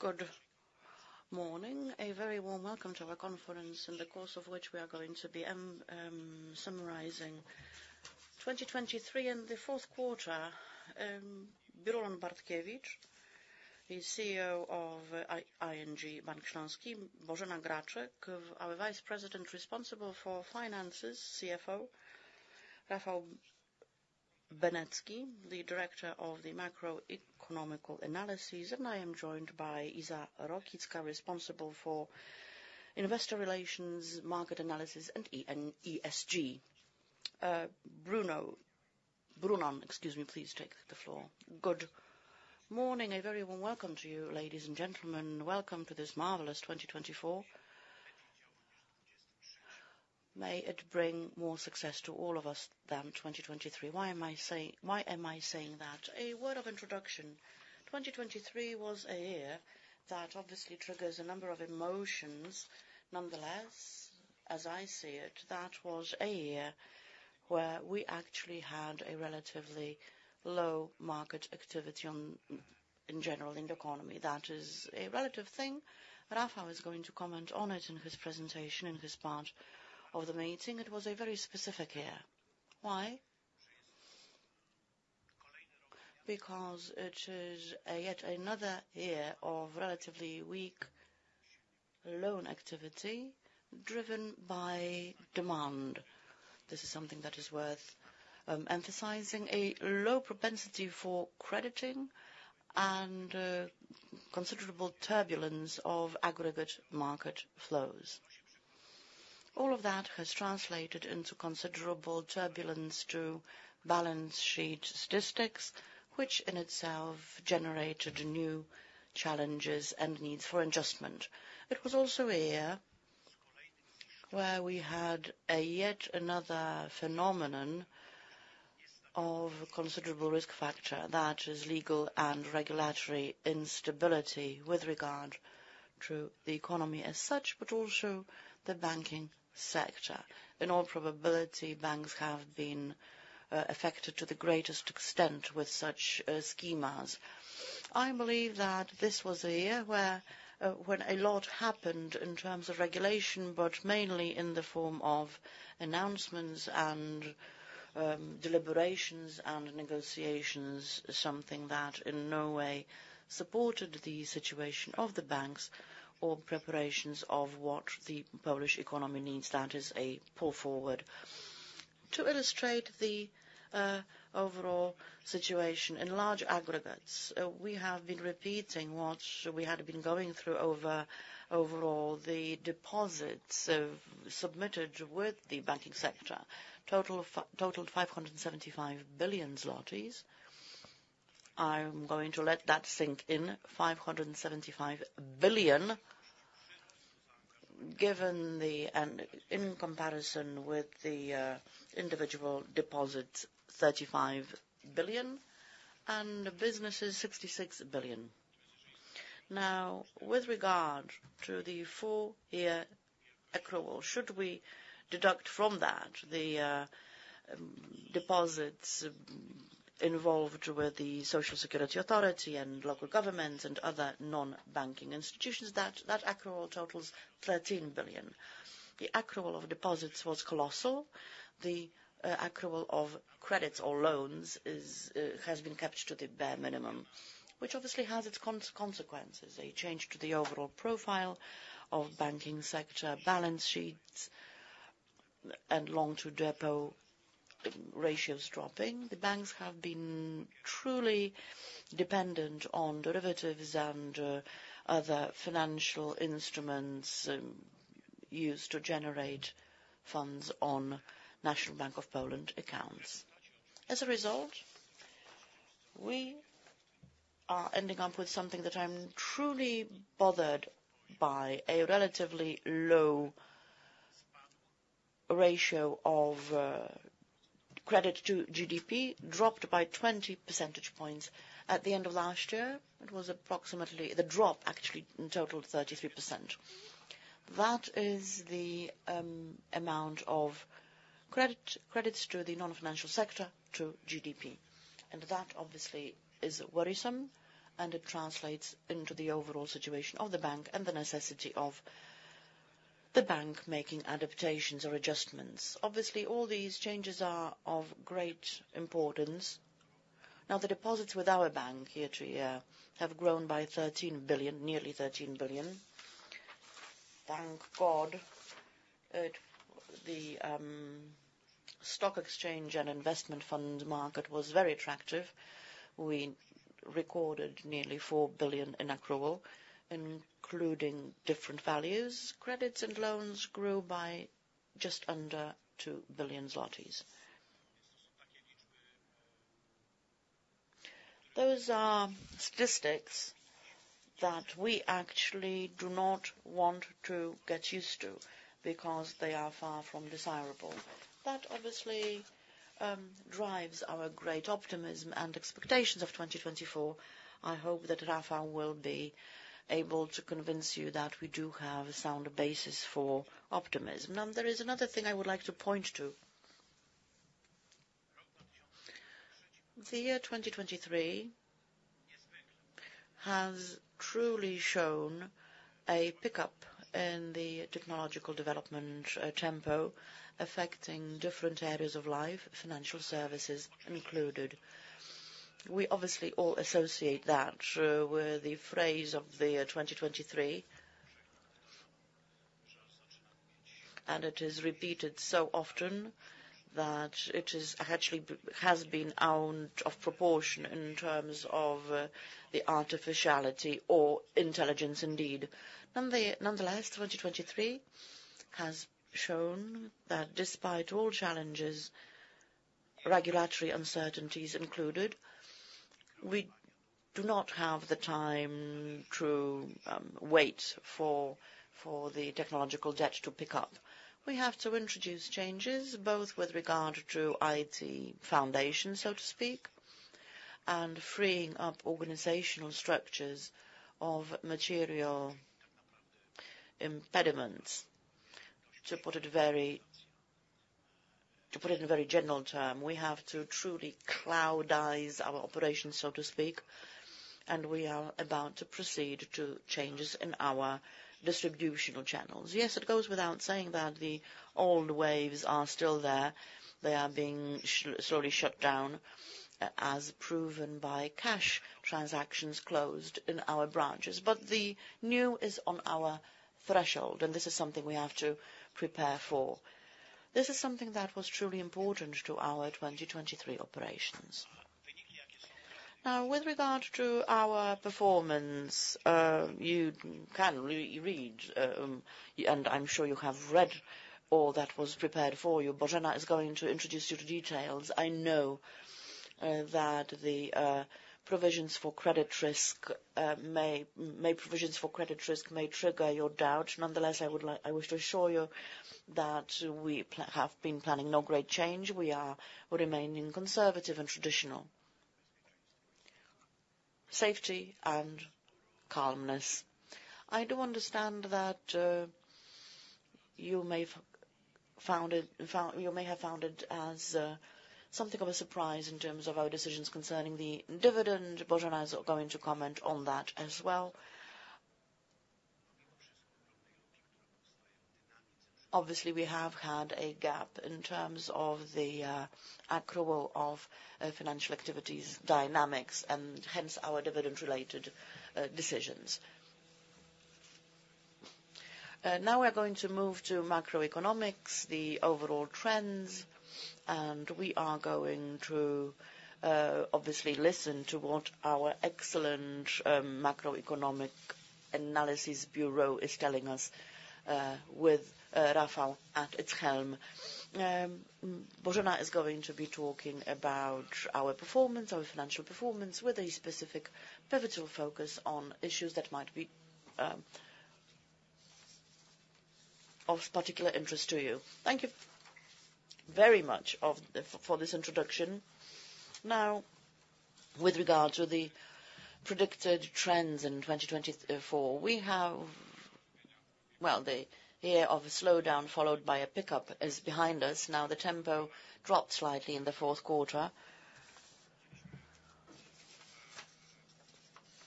Good morning. A very warm welcome to our conference, in the course of which we are going to be summarizing 2023 and the fourth quarter. Brunon Bartkiewicz, the CEO of ING Bank Śląski. Bożena Graczyk, our Vice President responsible for finances, CFO. Rafał Benecki, the Director of the Macroeconomic Analysis, and I am joined by Iza Rokicka, responsible for investor relations, market analysis, and ESG. Brunon, excuse me, please, take the floor. Good morning, a very warm welcome to you, ladies and gentlemen. Welcome to this marvelous 2024. May it bring more success to all of us than 2023. Why am I saying that? A word of introduction. 2023 was a year that obviously triggers a number of emotions. Nonetheless, as I see it, that was a year where we actually had a relatively low market activity on, in general, in the economy. That is a relative thing. Rafał is going to comment on it in his presentation, in his part of the meeting. It was a very specific year. Why? Because it is a yet another year of relatively weak loan activity driven by demand. This is something that is worth emphasizing. A low propensity for crediting and considerable turbulence of aggregate market flows. All of that has translated into considerable turbulence to balance sheet statistics, which in itself generated new challenges and needs for adjustment. It was also a year where we had a yet another phenomenon of considerable risk factor. That is legal and regulatory instability with regard to the economy as such, but also the banking sector. In all probability, banks have been affected to the greatest extent with such schemas. I believe that this was a year where when a lot happened in terms of regulation, but mainly in the form of announcements and deliberations and negotiations, something that in no way supported the situation of the banks or preparations of what the Polish economy needs. That is a pull forward. To illustrate the overall situation in large aggregates, we have been repeating what we had been going through over overall the deposits submitted with the banking sector. Total, total 575 billion zlotys. I'm going to let that sink in, 575 billion, given the and -- in comparison with the individual deposits, 35 billion, and the businesses, 66 billion. Now, with regard to the full year accrual, should we deduct from that the deposits involved with the Social Security Authority and local governments and other non-banking institutions, that accrual totals 13 billion. The accrual of deposits was colossal. The accrual of credits or loans has been kept to the bare minimum, which obviously has its consequences, a change to the overall profile of banking sector balance sheets and loan-to-deposit ratios dropping. The banks have been truly dependent on derivatives and other financial instruments used to generate funds on National Bank of Poland accounts. As a result, we are ending up with something that I'm truly bothered by, a relatively low ratio of credit to GDP, dropped by 20 percentage points. At the end of last year, it was approximately... The drop, actually, in total, 33%. That is the amount of credit, credits to the non-financial sector to GDP. That, obviously, is worrisome, and it translates into the overall situation of the bank and the necessity of the bank making adaptations or adjustments. Obviously, all these changes are of great importance. Now, the deposits with our bank year-to-year have grown by 13 billion, nearly 13 billion. Thank God, the stock exchange and investment funds market was very attractive. We recorded nearly 4 billion in accrual, including different values. Credits and loans grew by just under 2 billion zlotys. Those are statistics that we actually do not want to get used to, because they are far from desirable. That obviously drives our great optimism and expectations of 2024. I hope that Rafał will be able to convince you that we do have a sound basis for optimism. There is another thing I would like to point to. The year 2023 has truly shown a pickup in the technological development, tempo, affecting different areas of life, financial services included. We obviously all associate that with the phrase of the year 2023, and it is repeated so often that it is actually, has been out of proportion in terms of, the artificiality or intelligence indeed. Nonetheless, 2023 has shown that despite all challenges, regulatory uncertainties included, we do not have the time to wait for the technological debt to pick up. We have to introduce changes, both with regard to IT foundation, so to speak, and freeing up organizational structures of material impediments. To put it in a very general term, we have to truly cloudize our operations, so to speak, and we are about to proceed to changes in our distributional channels. Yes, it goes without saying that the old waves are still there. They are being slowly shut down, as proven by cash transactions closed in our branches. But the new is on our threshold, and this is something we have to prepare for. This is something that was truly important to our 2023 operations. Now, with regard to our performance, you can read, and I'm sure you have read all that was prepared for you. Bożena is going to introduce you to details. I know that the provisions for credit risk may trigger your doubt. Nonetheless, I wish to assure you that we have been planning no great change. We are remaining conservative and traditional. Safety and calmness. I do understand that you may have found it as something of a surprise in terms of our decisions concerning the dividend. Bożena is going to comment on that as well. Obviously, we have had a gap in terms of the accrual of financial activities, dynamics, and hence, our dividend-related decisions. Now we're going to move to macroeconomics, the overall trends, and we are going to obviously listen to what our excellent macroeconomic analysis bureau is telling us, with Rafał at its helm. Bożena is going to be talking about our performance, our financial performance, with a specific pivotal focus on issues that might be of particular interest to you. Thank you very much for this introduction. Now, with regard to the predicted trends in 2024, we have... Well, the year of a slowdown, followed by a pickup is behind us. Now, the tempo dropped slightly in the fourth quarter.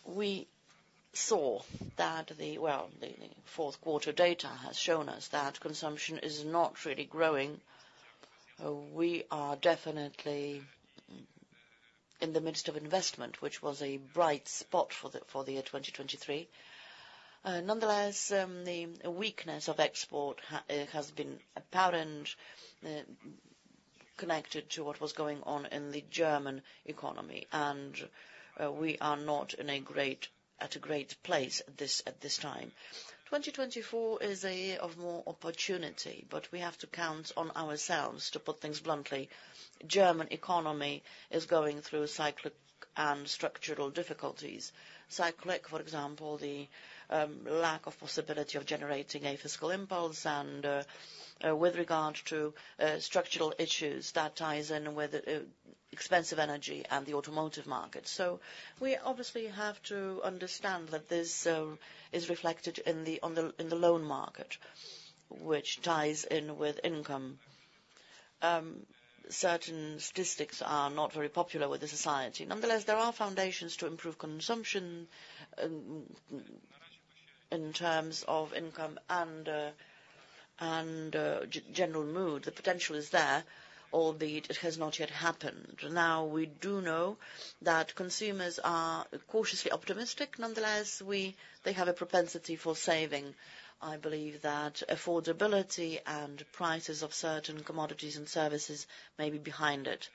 We saw that well, the fourth quarter data has shown us that consumption is not really growing. We are definitely in the midst of investment, which was a bright spot for the year 2023. Nonetheless, the weakness of export has been apparent, connected to what was going on in the German economy, and we are not in a great place at this time. 2024 is a year of more opportunity, but we have to count on ourselves, to put things bluntly. German economy is going through cyclical and structural difficulties. Cyclical, for example, the lack of possibility of generating a fiscal impulse, and with regard to structural issues, that ties in with expensive energy and the automotive market. So we obviously have to understand that this is reflected in the loan market, which ties in with income. Certain statistics are not very popular with the society. Nonetheless, there are foundations to improve consumption in terms of income and general mood. The potential is there, albeit it has not yet happened. Now, we do know that consumers are cautiously optimistic. Nonetheless, they have a propensity for saving. I believe that affordability and prices of certain commodities and services may be behind it.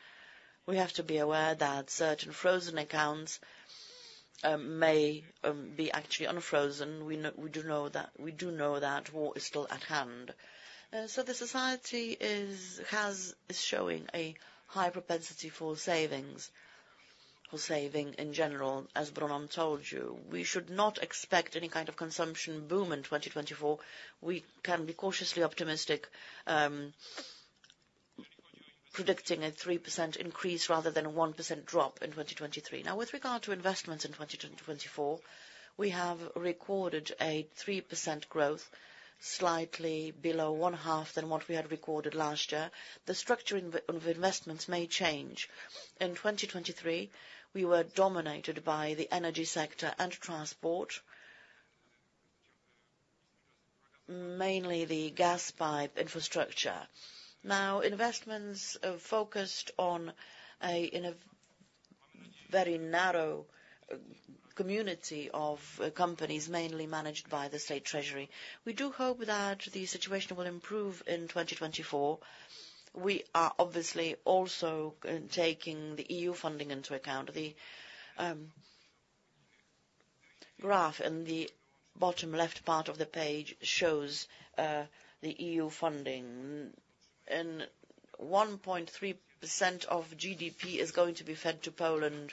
We have to be aware that certain frozen accounts may be actually unfrozen. We do know that war is still at hand. So the society is showing a high propensity for savings, for saving in general, as Brunon told you. We should not expect any kind of consumption boom in 2024. We can be cautiously optimistic predicting a 3% increase rather than a 1% drop in 2023. Now, with regard to investments in 2024, we have recorded a 3% growth, slightly below half than what we had recorded last year. The structuring of investments may change. In 2023, we were dominated by the energy sector and transport, mainly the gas pipe infrastructure. Now, investments are focused on in a very narrow community of companies, mainly managed by the state treasury. We do hope that the situation will improve in 2024. We are obviously also taking the EU funding into account. The graph in the bottom left part of the page shows the EU funding, and 1.3% of GDP is going to be fed to Poland.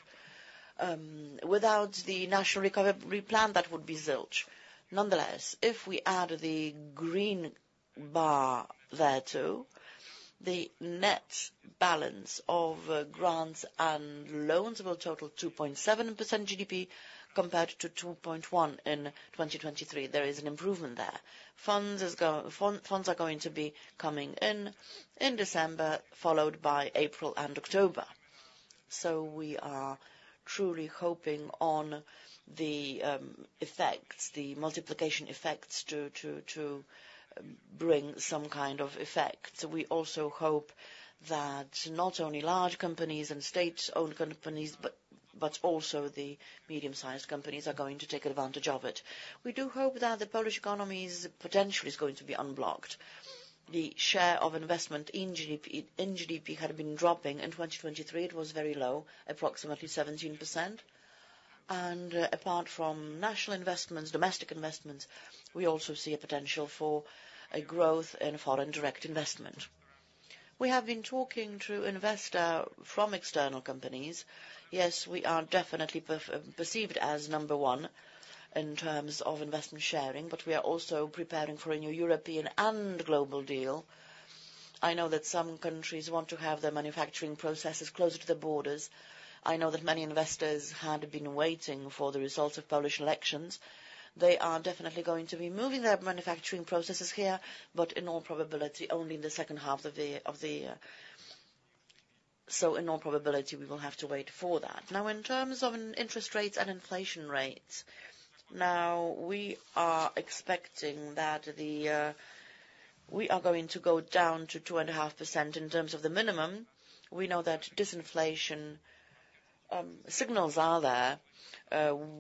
Without the national recovery plan, that would be zilch. Nonetheless, if we add the green bar there, too, the net balance of grants and loans will total 2.7% GDP compared to 2.1% in 2023. There is an improvement there. Funds are going to be coming in, in December, followed by April and October. So we are truly hoping on the effects, the multiplication effects, to, to, to bring some kind of effect. We also hope that not only large companies and state-owned companies, but, but also the medium-sized companies are going to take advantage of it. We do hope that the Polish economy's potential is going to be unblocked. The share of investment in GDP, in GDP, had been dropping. In 2023, it was very low, approximately 17%. Apart from national investments, domestic investments, we also see a potential for a growth in foreign direct investment. We have been talking to investor from external companies. Yes, we are definitely perceived as number one in terms of investment sharing, but we are also preparing for a new European and global deal. I know that some countries want to have their manufacturing processes closer to the borders. I know that many investors had been waiting for the results of Polish elections. They are definitely going to be moving their manufacturing processes here, but in all probability, only in the second half of the year. In all probability, we will have to wait for that. Now, in terms of interest rates and inflation rates, we are expecting that the... We are going to go down to 2.5% in terms of the minimum. We know that disinflation signals are there.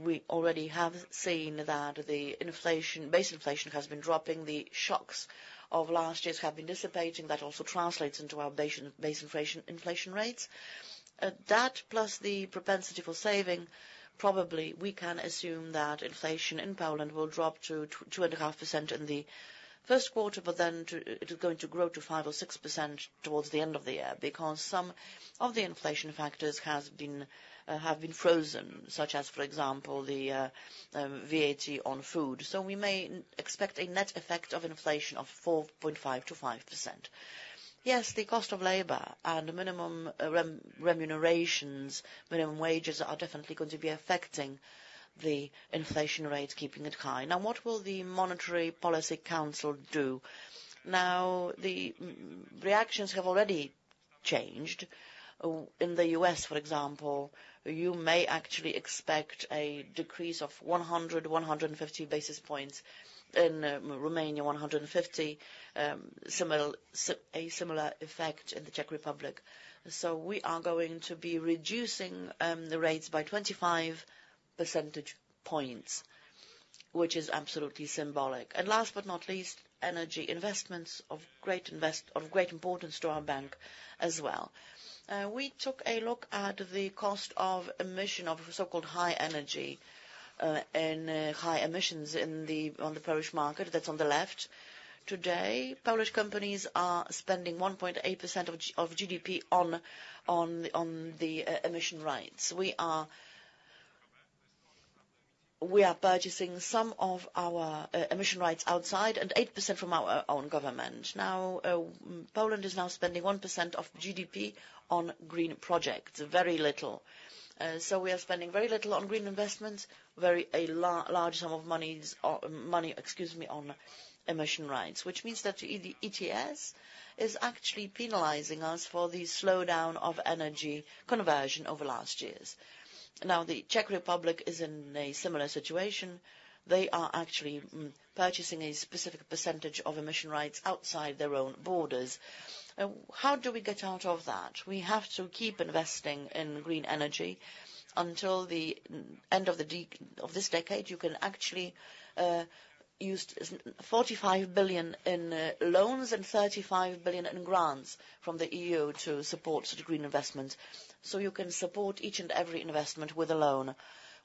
We already have seen that the inflation, base inflation, has been dropping. The shocks of last year have been dissipating. That also translates into our base inflation, inflation rates. That plus the propensity for saving, probably we can assume that inflation in Poland will drop to 2%-2.5% in the first quarter, but then it is going to grow to 5%-6% towards the end of the year, because some of the inflation factors has been, have been frozen, such as, for example, the VAT on food. So we may expect a net effect of inflation of 4.5%-5%. Yes, the cost of labor and the minimum remunerations, minimum wages, are definitely going to be affecting the inflation rate, keeping it high. Now, what will the Monetary Policy Council do? Now, the reactions have already changed. In the US, for example, you may actually expect a decrease of 100-150 basis points. In Romania, 150, a similar effect in the Czech Republic. So we are going to be reducing the rates by 25 percentage points, which is absolutely symbolic. And last but not least, energy investments of great importance to our bank as well. We took a look at the cost of emission of so-called high energy and high emissions in the on the Polish market. That's on the left. Today, Polish companies are spending 1.8% of GDP on emission rights. We are purchasing some of our emission rights outside and 8% from our own government. Now, Poland is now spending 1% of GDP on green projects, very little. So we are spending very little on green investments, a large sum of money on emission rights, which means that the ETS is actually penalizing us for the slowdown of energy conversion over last years. Now, the Czech Republic is in a similar situation. They are actually purchasing a specific percentage of emission rights outside their own borders. How do we get out of that? We have to keep investing in green energy until the end of this decade. You can actually use 45 billion in loans and 35 billion in grants from the EU to support green investments. So you can support each and every investment with a loan,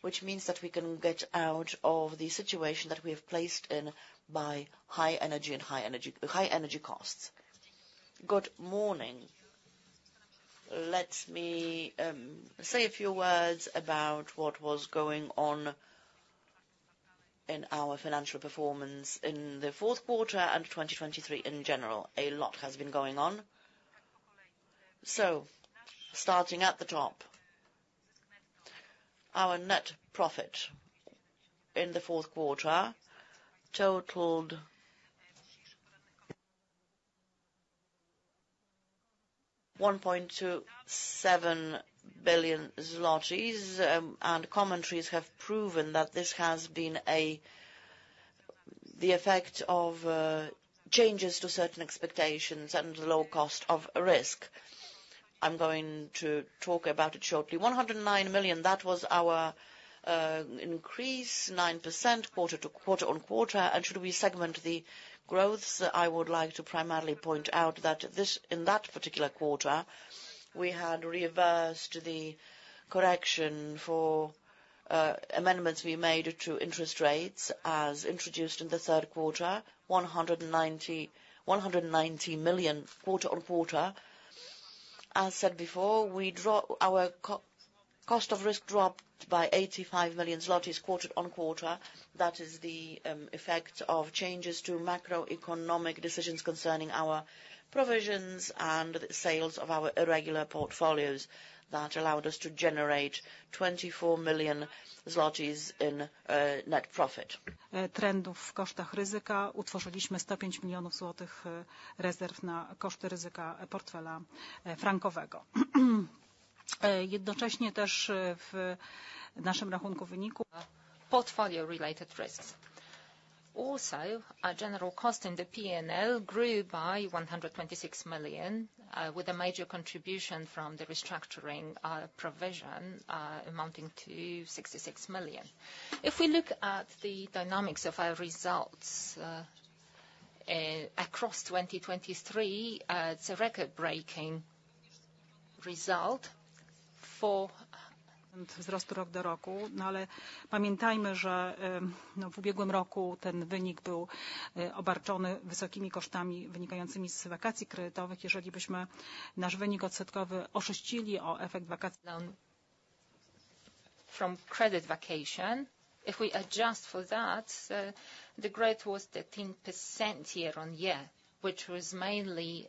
which means that we can get out of the situation that we have placed in by high energy and high energy, high energy costs. Good morning. Let me say a few words about what was going on in our financial performance in the fourth quarter and 2023, in general. A lot has been going on. So starting at the top, our net profit in the fourth quarter totaled 1.27 billion zlotys, and commentaries have proven that this has been a, the effect of changes to certain expectations and low cost of risk. I'm going to talk about it shortly. 109 million, that was our increase, 9% quarter-on-quarter. And should we segment the growths, I would like to primarily point out that this in that particular quarter, we had reversed the correction for amendments we made to interest rates as introduced in the third quarter, 190 million quarter-on-quarter. As said before, our cost of risk dropped by 85 million zloty quarter-on-quarter. That is the effect of changes to macroeconomic decisions concerning our provisions and sales of our irregular portfolios that allowed us to generate 24 million zlotys in net profit. Portfolio-related risks. Also, our general cost in the P&L grew by 126 million, with a major contribution from the restructuring provision, amounting to 66 million. If we look at the dynamics of our results across 2023, it's a record-breaking result from credit vacation. If we adjust for that, the growth was 13% year-on-year, which was mainly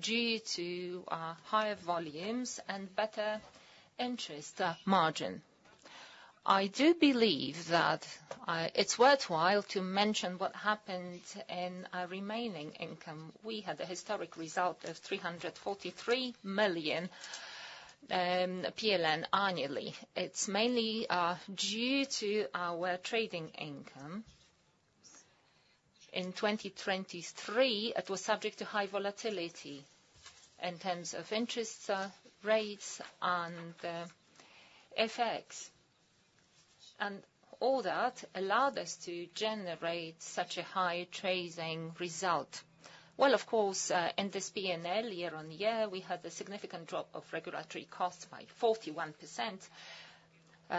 due to higher volumes and better interest margin. I do believe that it's worthwhile to mention what happened in our remaining income. We had a historic result of 343 million PLN annually. It's mainly due to our trading income. In 2023, it was subject to high volatility in terms of interest rates and FX, and all that allowed us to generate such a high trading result. Well, of course, in this P&L year-over-year, we had a significant drop of regulatory costs by 41%.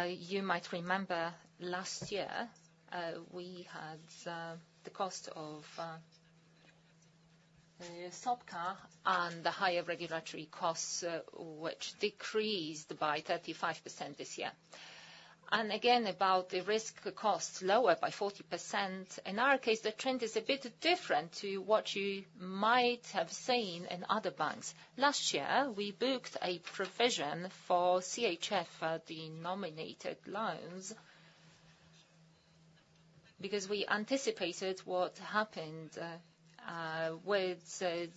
You might remember last year, we had the cost of SOBK and the higher regulatory costs, which decreased by 35% this year. Again, about the risk costs lowered by 40%, in our case, the trend is a bit different to what you might have seen in other banks. Last year, we booked a provision for CHF-denominated loans, because we anticipated what happened with the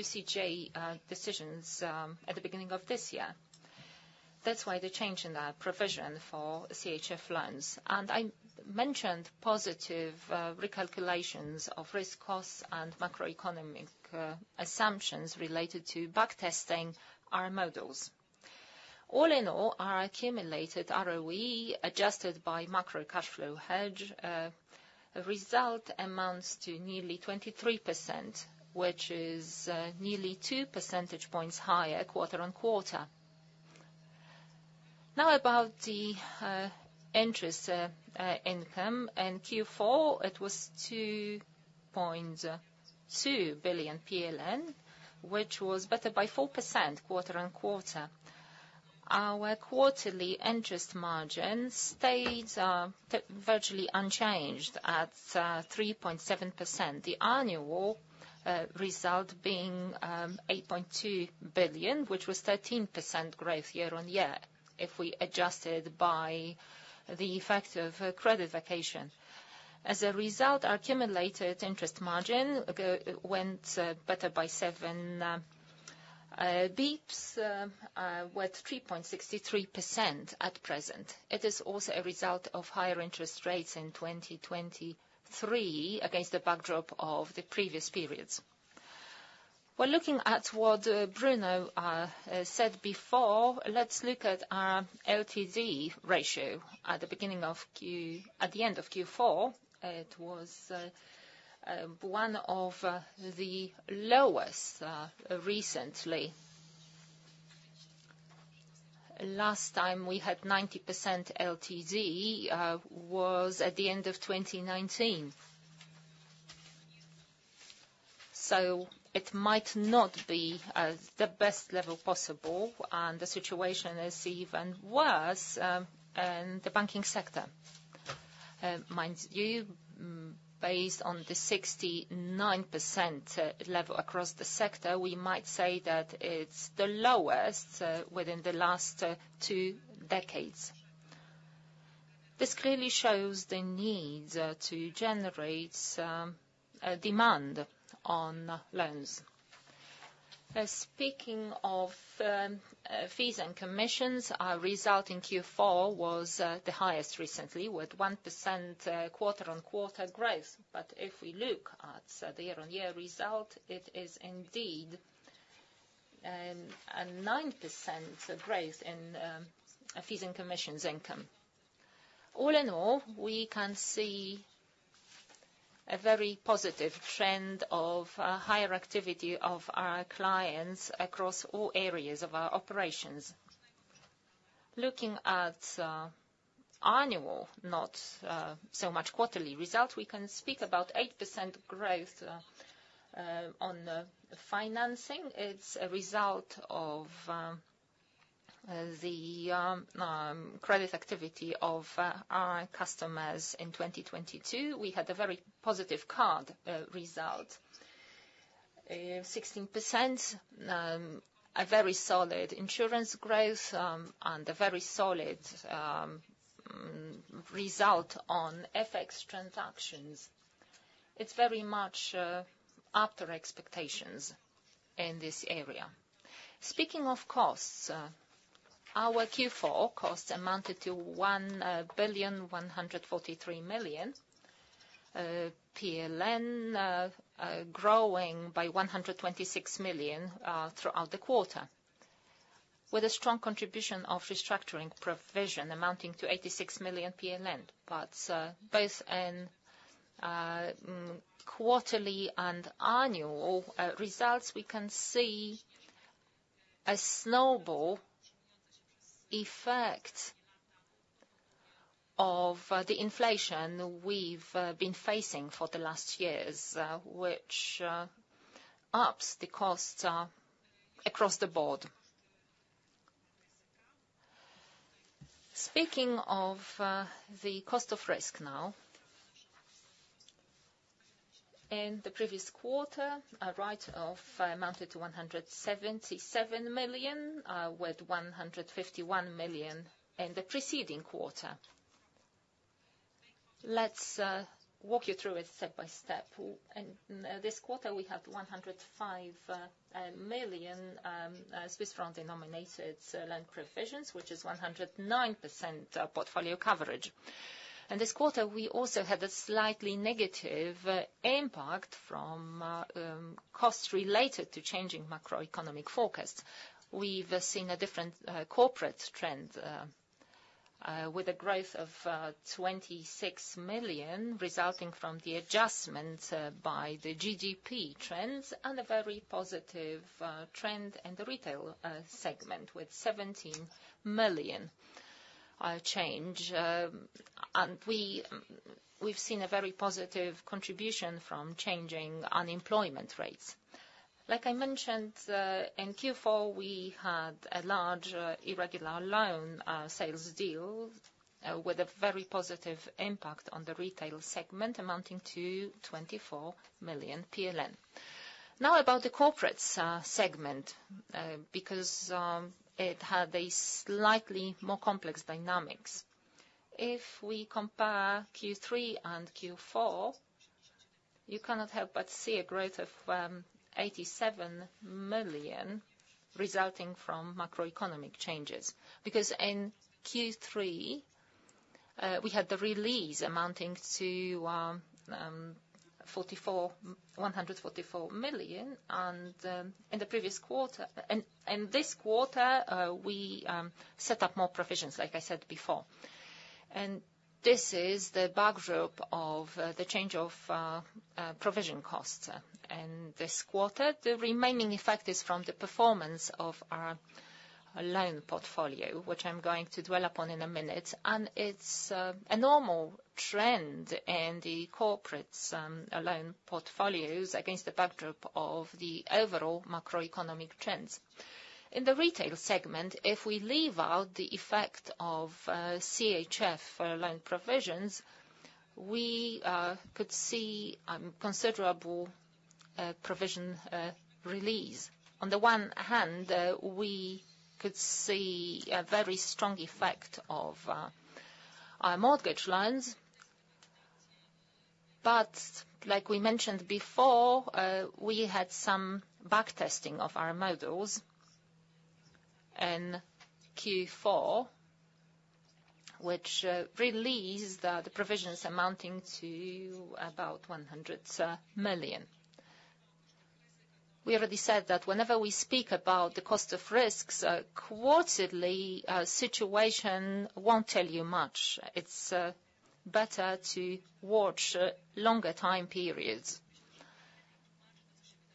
ECJ decisions at the beginning of this year. That's why the change in our provision for CHF loans, and I mentioned positive recalculations of risk costs and macroeconomic assumptions related to back testing our models. All in all, our accumulated ROE, adjusted by macro cash flow hedge result amounts to nearly 23%, which is nearly two percentage points higher quarter-on-quarter. Now, about the interest income. In Q4, it was 2.2 billion PLN, which was better by 4% quarter-on-quarter. Our quarterly interest margin stayed virtually unchanged at 3.7%, the annual result being 8.2 billion PLN, which was 13% growth year-on-year if we adjusted by the effect of credit vacation. As a result, our accumulated interest margin went better by seven basis points, with 3.63% at present. It is also a result of higher interest rates in 2023 against the backdrop of the previous periods. Well, looking at what Brunon said before, let's look at LTD ratio. At the end of Q4, it was one of the lowest recently. Last time we had 90% LTD was at the end of 2019. So it might not be the best level possible, and the situation is even worse in the banking sector. Mind you, based on the 69% level across the sector, we might say that it's the lowest within the last two decades. This clearly shows the need to generate a demand on loans. Speaking of fees and commissions, our result in Q4 was the highest recently, with 1% quarter-on-quarter growth. But if we look at the year-on-year result, it is indeed a 9% growth in fees and commissions income. All in all, we can see a very positive trend of higher activity of our clients across all areas of our operations. Looking at annual, not so much quarterly results, we can speak about 8% growth on the financing. It's a result of the credit activity of our customers in 2022. We had a very positive card result. Sixteen percent, a very solid insurance growth, and a very solid result on FX transactions. It's very much up to expectations in this area. Speaking of costs, our Q4 costs amounted to 1,143 million, growing by 126 million throughout the quarter, with a strong contribution of restructuring provision amounting to 86 million PLN. But both in quarterly and annual results, we can see a snowball effect of the inflation we've been facing for the last years, which ups the cost across the board. Speaking of the cost of risk now. In the previous quarter, a write-off amounted to 177 million, with 151 million in the preceding quarter. Let's walk you through it step by step. And this quarter, we had 105 million Swiss franc-denominated loan provisions, which is 109% portfolio coverage. And this quarter, we also had a slightly negative impact from costs related to changing macroeconomic focus. We've seen a different corporate trend with a growth of 26 million resulting from the adjustments by the GDP trends and a very positive trend in the retail segment, with 17 million change. And we've seen a very positive contribution from changing unemployment rates. Like I mentioned, in Q4, we had a large irregular loan sales deal with a very positive impact on the retail segment, amounting to 24 million PLN. Now, about the corporates segment, because it had a slightly more complex dynamics. If we compare Q3 and Q4, you cannot help but see a growth of 87 million resulting from macroeconomic changes, because in Q3, we had the release amounting to 144 million, and in the previous quarter. This quarter, we set up more provisions, like I said before, and this is the backdrop of the change of provision costs. This quarter, the remaining effect is from the performance of our loan portfolio, which I'm going to dwell upon in a minute. It's a normal trend in the corporates loan portfolios against the backdrop of the overall macroeconomic trends. In the retail segment, if we leave out the effect of CHF loan provisions, we could see considerable provision release. On the one hand, we could see a very strong effect of our mortgage loans, but like we mentioned before, we had some backtesting of our models in Q4, which released the provisions amounting to about 100 million. We already said that whenever we speak about the cost of risks quarterly, situation won't tell you much. It's better to watch longer time periods.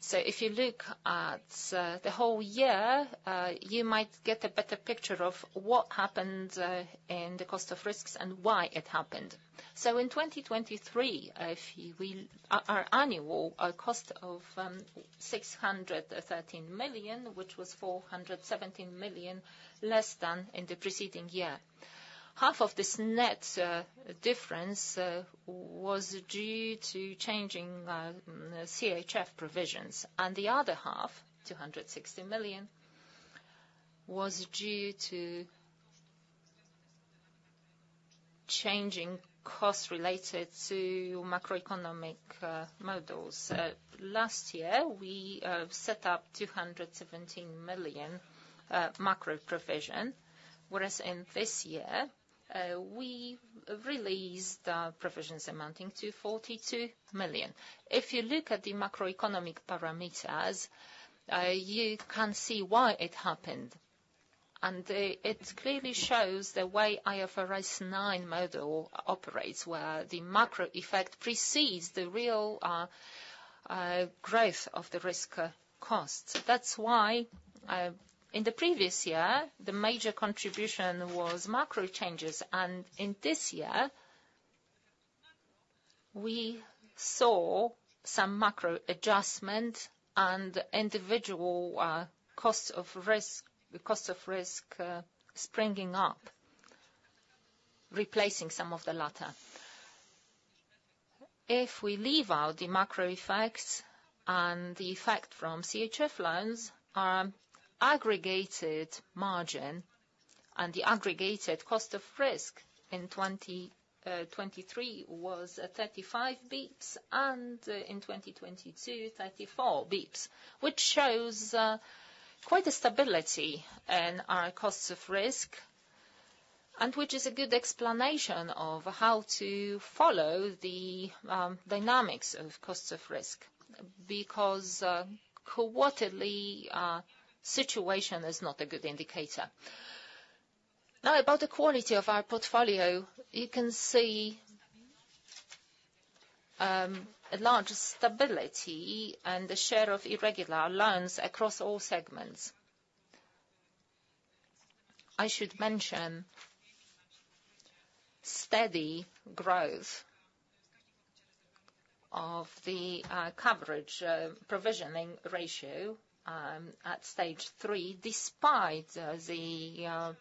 So if you look at the whole year, you might get a better picture of what happened in the cost of risks and why it happened. So in 2023, our annual cost of 613 million, which was 417 million less than in the preceding year. Half of this net difference was due to changing CHF provisions, and the other half, 260 million, was due to changing costs related to macroeconomic models. Last year, we set up 217 million macro provision, whereas in this year, we released provisions amounting to 42 million. If you look at the macroeconomic parameters, you can see why it happened, and it clearly shows the way IFRS 9 model operates, where the macro effect precedes the real growth of the risk costs. That's why, in the previous year, the major contribution was macro changes, and in this year, we saw some macro adjustment and individual, costs of risk, costs of risk, springing up, replacing some of the latter. If we leave out the macro effects and the effect from CHF loans, our aggregated margin and the aggregated cost of risk in 2023 was 35 basis points, and in 2022, 34 basis points, which shows quite a stability in our costs of risk, and which is a good explanation of how to follow the dynamics of costs of risk, because quarterly situation is not a good indicator. Now, about the quality of our portfolio, you can see a large stability and the share of irregular loans across all segments. I should mention steady growth of the coverage provisioning ratio at stage three, despite the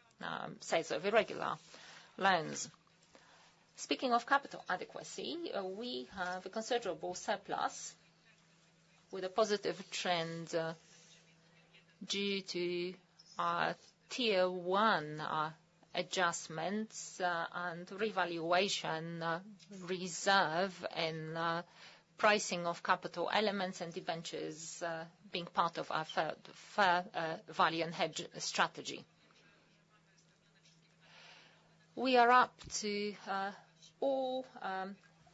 size of irregular loans. Speaking of capital adequacy, we have a considerable surplus with a positive trend due to our Tier I adjustments and revaluation reserve in pricing of capital elements and debentures being part of our fair value and hedge strategy. We are up to all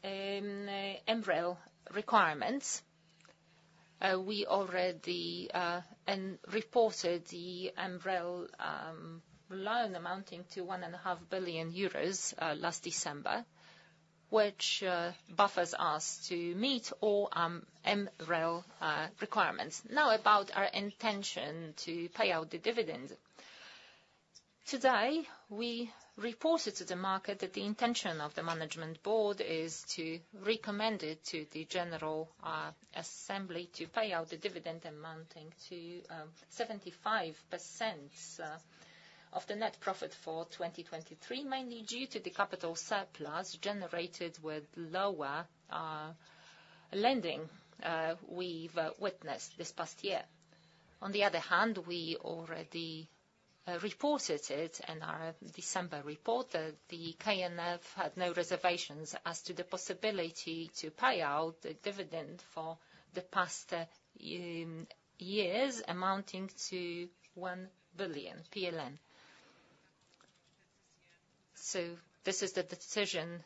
MREL requirements. We already and reported the MREL loan amounting to 1.5 billion euros last December, which buffers us to meet all MREL requirements. Now, about our intention to pay out the dividends. Today, we reported to the market that the intention of the management board is to recommend it to the General Assembly to pay out the dividend amounting to 75% of the net profit for 2023, mainly due to the capital surplus generated with lower lending we've witnessed this past year. On the other hand, we already reported it in our December report that the KNF had no reservations as to the possibility to pay out the dividend for the past years, amounting to 1 billion PLN. So this is the decision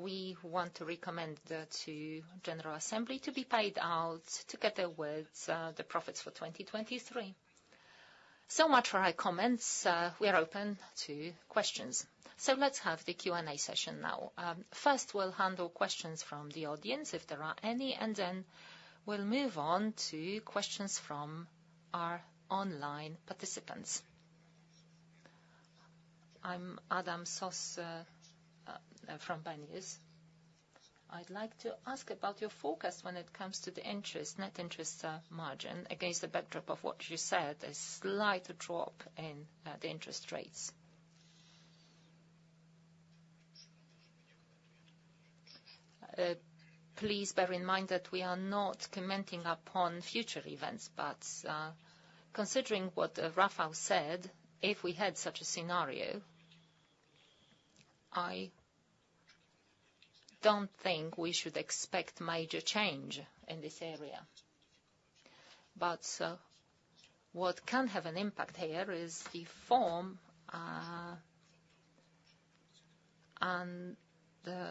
we want to recommend to General Assembly to be paid out together with the profits for 2023. So much for my comments. We are open to questions. Let's have the Q&A session now. First, we'll handle questions from the audience, if there are any, and then we'll move on to questions from our online participants. I'm Adam Sos from Pennies. I'd like to ask about your forecast when it comes to the interest, net interest margin against the backdrop of what you said, a slight drop in the interest rates. Please bear in mind that we are not commenting upon future events, but considering what Rafał said, if we had such a scenario, I don't think we should expect major change in this area. But what can have an impact here is the form and the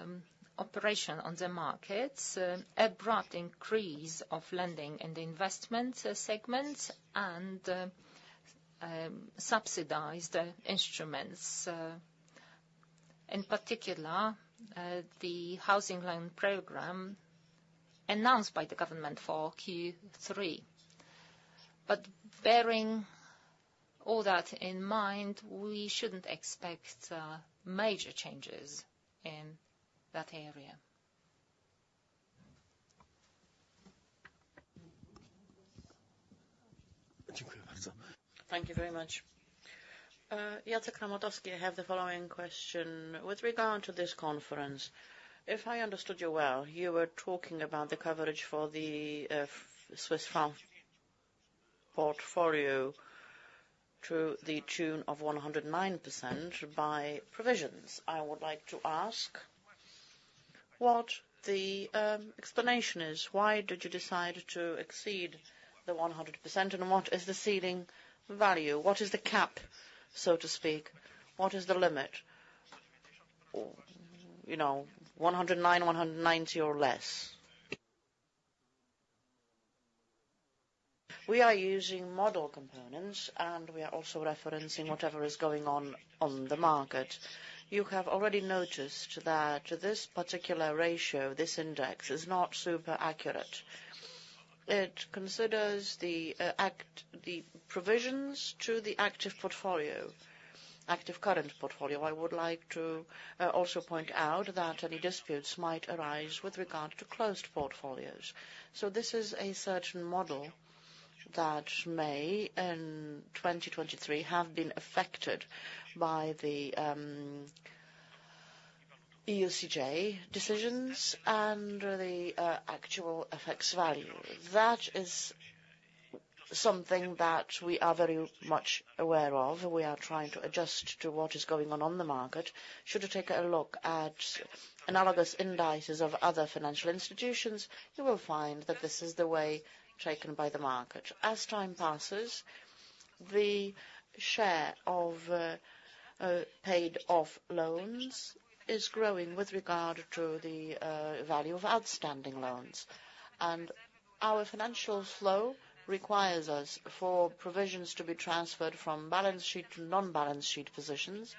operation on the markets, abrupt increase of lending in the investment segment, and subsidized instruments, in particular, the housing loan program announced by the government for Q3. But bearing all that in mind, we shouldn't expect major changes in that area. Thank you very much. Jacek Ramotowski, I have the following question: with regard to this conference, if I understood you well, you were talking about the coverage for the Swiss franc portfolio to the tune of 109% by provisions. I would like to ask what the explanation is. Why did you decide to exceed the 100%, and what is the seeding value? What is the cap, so to speak? What is the limit? You know, 109, 190 or less? We are using model components, and we are also referencing whatever is going on on the market. You have already noticed that this particular ratio, this index, is not super accurate. It considers the provisions to the active portfolio, active current portfolio. I would like to also point out that any disputes might arise with regard to closed portfolios. This is a certain model that may, in 2023, have been affected by the ECJ decisions and the actual FX value. That is something that we are very much aware of. We are trying to adjust to what is going on on the market. Should you take a look at analogous indices of other financial institutions, you will find that this is the way taken by the market. As time passes, the share of paid-off loans is growing with regard to the value of outstanding loans. Our financial flow requires us for provisions to be transferred from balance sheet to non-balance sheet positions,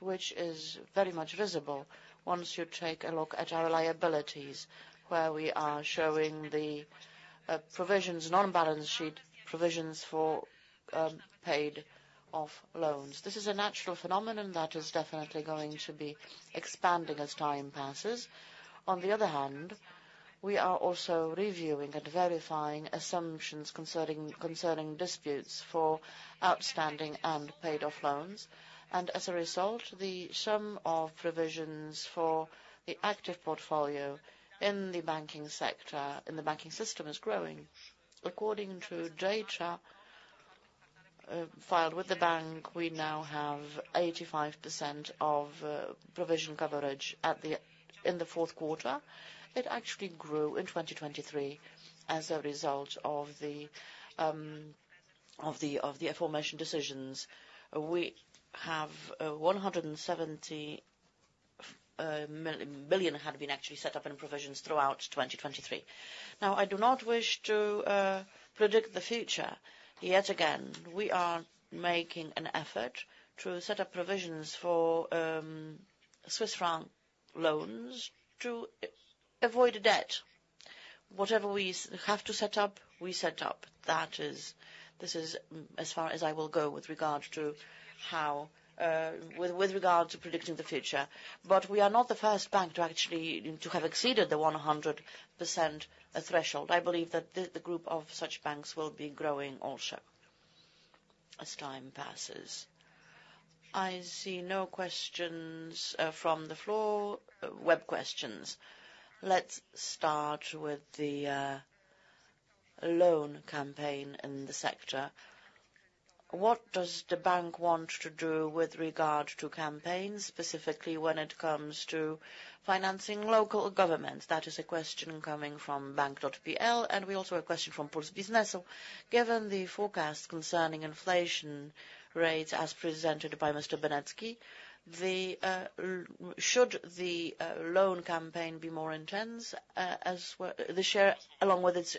which is very much visible once you take a look at our liabilities, where we are showing the provisions, non-balance sheet provisions for paid-off loans. This is a natural phenomenon that is definitely going to be expanding as time passes. On the other hand, we are also reviewing and verifying assumptions concerning disputes for outstanding and paid-off loans. And as a result, the sum of provisions for the active portfolio in the banking sector, in the banking system, is growing. According to data filed with the bank, we now have 85% of provision coverage in the fourth quarter. It actually grew in 2023 as a result of the aforementioned decisions. We have 170 billion had been actually set up in provisions throughout 2023. Now, I do not wish to predict the future. Yet again, we are making an effort to set up provisions for Swiss franc loans to avoid debt. Whatever we have to set up, we set up. That is, this is as far as I will go with regard to how, with regard to predicting the future. But we are not the first bank to actually have exceeded the 100% threshold. I believe that the group of such banks will be growing also as time passes. I see no questions from the floor. Web questions. Let's start with the loan campaign in the sector. What does the bank want to do with regard to campaigns, specifically when it comes to financing local governments? That is a question coming from Bank.pl, and we also have a question from Puls Biznesu. Given the forecast concerning inflation rates as presented by Mr. Benecki, should the loan campaign be more intense, as well—the share, along with its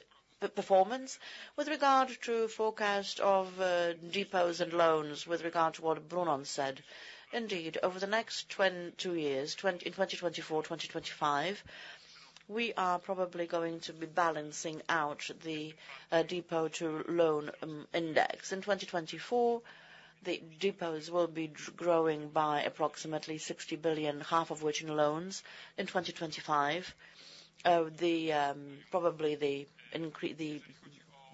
performance? With regard to forecast of deposits and loans, with regard to what Brunon said, indeed, over the next two years, in 2024, 2025, we are probably going to be balancing out the deposit-to-loan index. In 2024, the deposits will be growing by approximately 60 billion, half of which in loans. In 2025, the probably the increase—the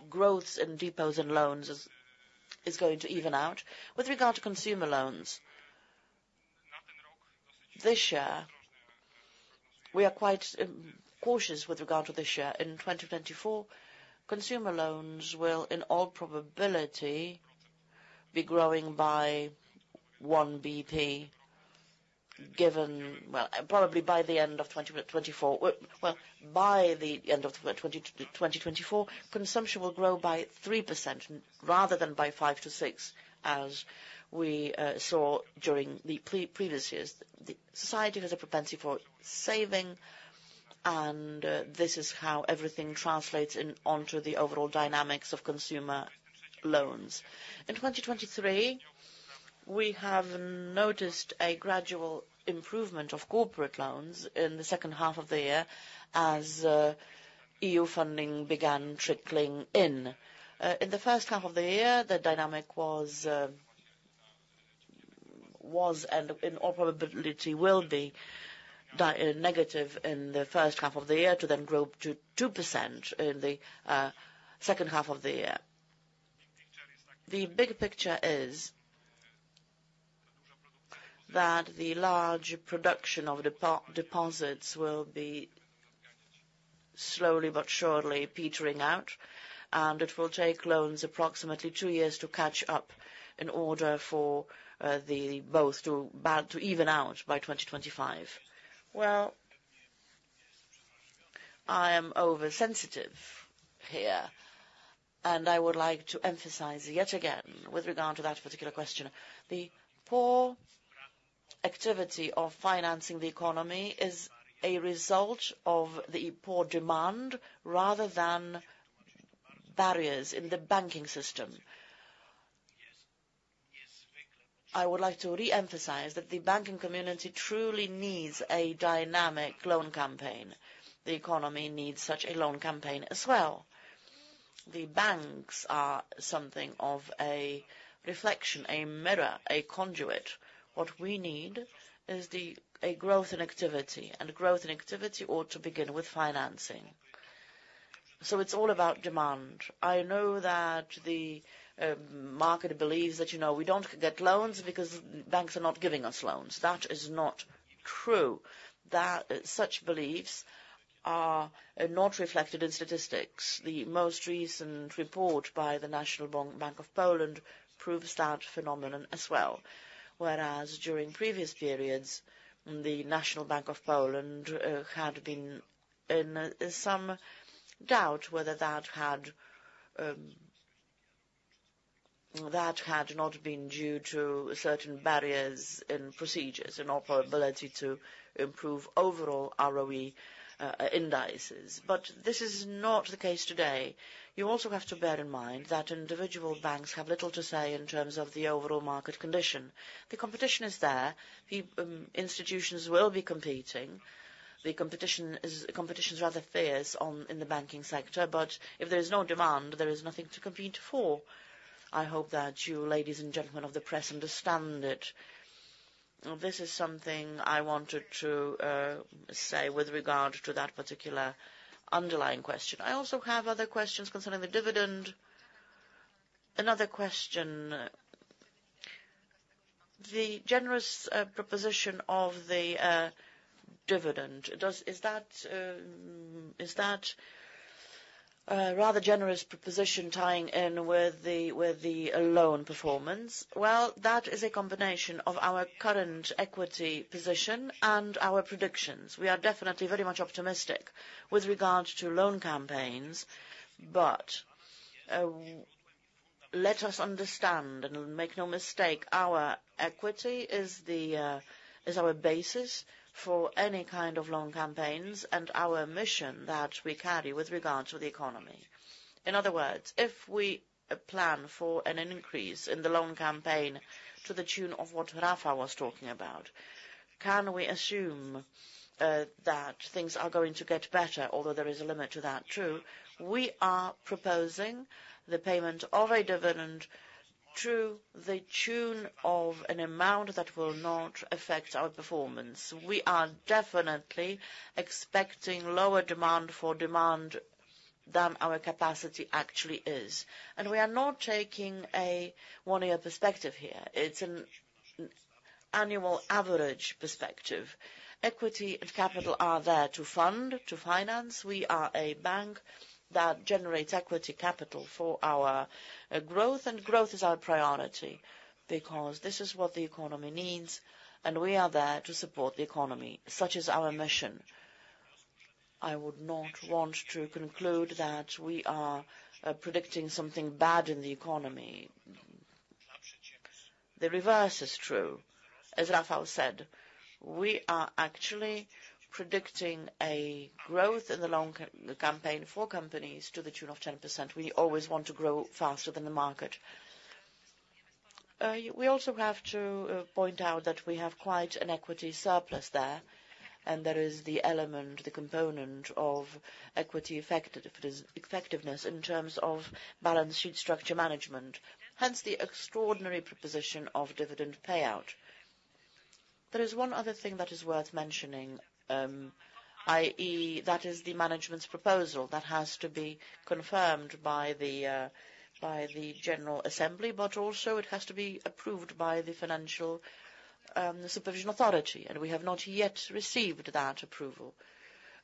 growth in deposits and loans is going to even out. With regard to consumer loans, this year, we are quite cautious with regard to this year. In 2024, consumer loans will, in all probability, be growing by 1 basis point, given... Well, probably by the end of 2024. Well, by the end of 2024, consumption will grow by 3%, rather than by 5%-6%, as we saw during the previous years. The society has a propensity for saving, and this is how everything translates into the overall dynamics of consumer loans. In 2023, we have noticed a gradual improvement of corporate loans in the second half of the year, as EU funding began trickling in. In the first half of the year, the dynamic was... was, and in all probability will be, negative in the first half of the year to then grow to 2% in the second half of the year. The big picture is that the large production of deposits will be slowly but surely petering out, and it will take loans approximately two years to catch up in order for the both to even out by 2025. Well, I am oversensitive here, and I would like to emphasize yet again, with regard to that particular question, the poor activity of financing the economy is a result of the poor demand, rather than barriers in the banking system. I would like to re-emphasize that the banking community truly needs a dynamic loan campaign. The economy needs such a loan campaign as well. The banks are something of a reflection, a mirror, a conduit. What we need is a growth in activity, and growth in activity ought to begin with financing. So it's all about demand. I know that the market believes that, you know, we don't get loans because banks are not giving us loans. That is not true. That such beliefs are not reflected in statistics. The most recent report by the National Bank of Poland proves that phenomenon as well. Whereas during previous periods, the National Bank of Poland had been in some doubt whether that had not been due to certain barriers in procedures and our probability to improve overall ROE indices. But this is not the case today. You also have to bear in mind that individual banks have little to say in terms of the overall market condition. The competition is there, the institutions will be competing. The competition is rather fierce in the banking sector, but if there is no demand, there is nothing to compete for. I hope that you, ladies and gentlemen of the press, understand it. This is something I wanted to say with regard to that particular underlying question. I also have other questions concerning the dividend. Another question: The generous proposition of the dividend, is that rather generous proposition tying in with the loan performance? Well, that is a combination of our current equity position and our predictions. We are definitely very much optimistic with regards to loan campaigns, but let us understand, and make no mistake, our equity is our basis for any kind of loan campaigns and our mission that we carry with regard to the economy. In other words, if we plan for an increase in the loan campaign to the tune of what Rafał was talking about, can we assume that things are going to get better, although there is a limit to that? True. We are proposing the payment of a dividend to the tune of an amount that will not affect our performance. We are definitely expecting lower demand for demand than our capacity actually is, and we are not taking a one-year perspective here. It's an annual average perspective. Equity and capital are there to fund, to finance. We are a bank that generates equity capital for our, growth, and growth is our priority, because this is what the economy needs, and we are there to support the economy. Such is our mission. I would not want to conclude that we are, predicting something bad in the economy. The reverse is true, as Rafał said. We are actually predicting a growth in the loan campaign for companies to the tune of 10%. We always want to grow faster than the market. We also have to point out that we have quite an equity surplus there, and there is the element, the component of equity effectiveness in terms of balance sheet structure management, hence, the extraordinary proposition of dividend payout. There is one other thing that is worth mentioning, i.e., that is the management's proposal. That has to be confirmed by the by the General Assembly, but also it has to be approved by the Financial Supervision Authority, and we have not yet received that approval.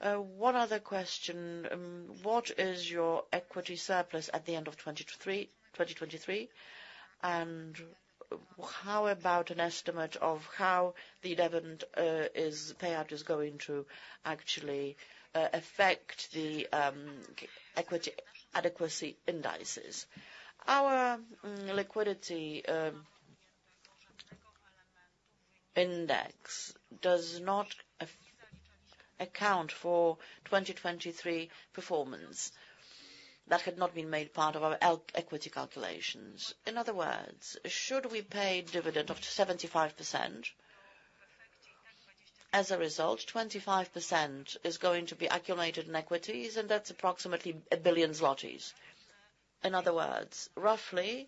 One other question: What is your equity surplus at the end of 2023? How about an estimate of how the dividend payout is going to actually affect the equity adequacy indices? Our liquidity index does not account for 2023 performance. That had not been made part of our equity calculations. In other words, should we pay dividend of 75%? As a result, 25% is going to be accumulated in equities, and that's approximately 1 billion zlotys. In other words, roughly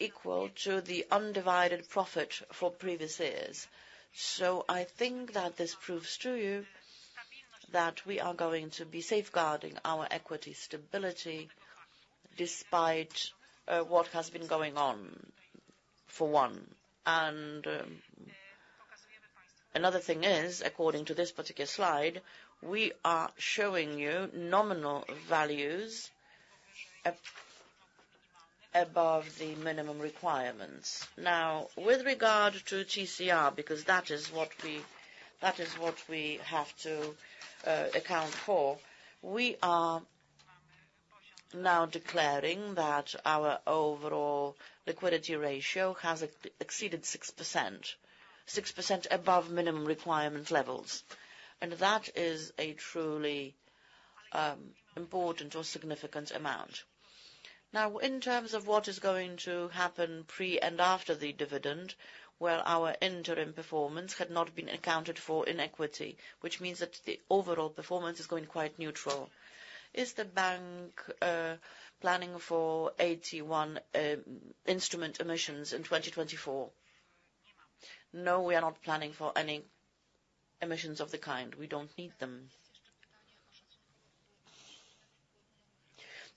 equal to the undivided profit for previous years. So I think that this proves to you that we are going to be safeguarding our equity stability despite what has been going on, for one. Another thing is, according to this particular slide, we are showing you nominal values above the minimum requirements. Now, with regard to TCR, because that is what we, that is what we have to account for, we are now declaring that our overall liquidity ratio has exceeded 6%. 6% above minimum requirement levels, and that is a truly important or significant amount. Now, in terms of what is going to happen pre and after the dividend, well, our interim performance had not been accounted for in equity, which means that the overall performance is going quite neutral. Is the bank planning for 81 instrument emissions in 2024? No, we are not planning for any emissions of the kind. We don't need them.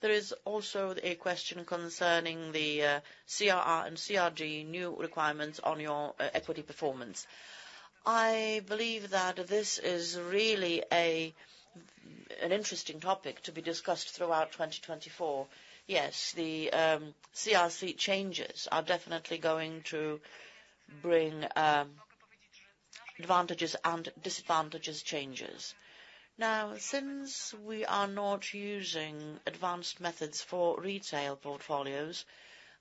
There is also a question concerning the CRR and CRD new requirements on your equity performance. I believe that this is really an interesting topic to be discussed throughout 2024. Yes, the CRR changes are definitely going to bring advantages and disadvantages changes. Now, since we are not using advanced methods for retail portfolios,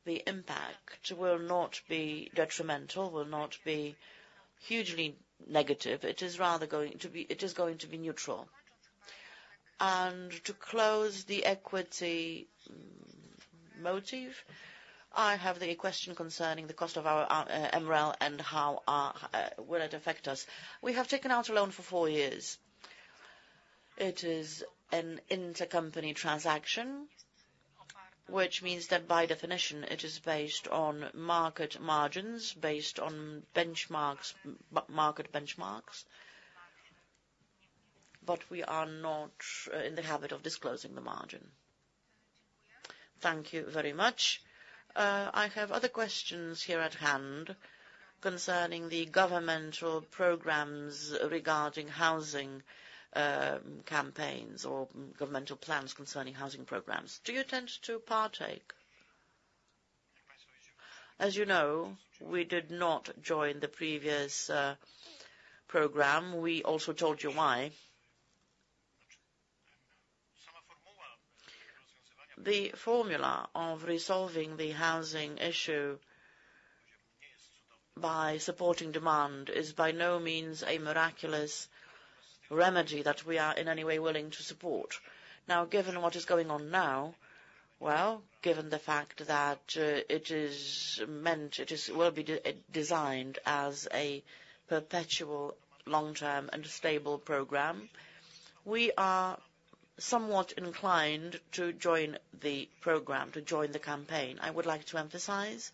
the impact will not be detrimental, will not be hugely negative. It is rather going to be neutral. And to close the equity motif, I have the question concerning the cost of our MREL and how will it affect us? We have taken out a loan for four years. It is an intercompany transaction, which means that by definition, it is based on market margins, based on benchmarks, market benchmarks, but we are not in the habit of disclosing the margin. Thank you very much. I have other questions here at hand concerning the governmental programs regarding housing campaigns or governmental plans concerning housing programs. Do you intend to partake? As you know, we did not join the previous program. We also told you why. The formula of resolving the housing issue by supporting demand is by no means a miraculous remedy that we are in any way willing to support. Now, given what is going on now, well, given the fact that it will be designed as a perpetual long-term and stable program, we are somewhat inclined to join the program, to join the campaign. I would like to emphasize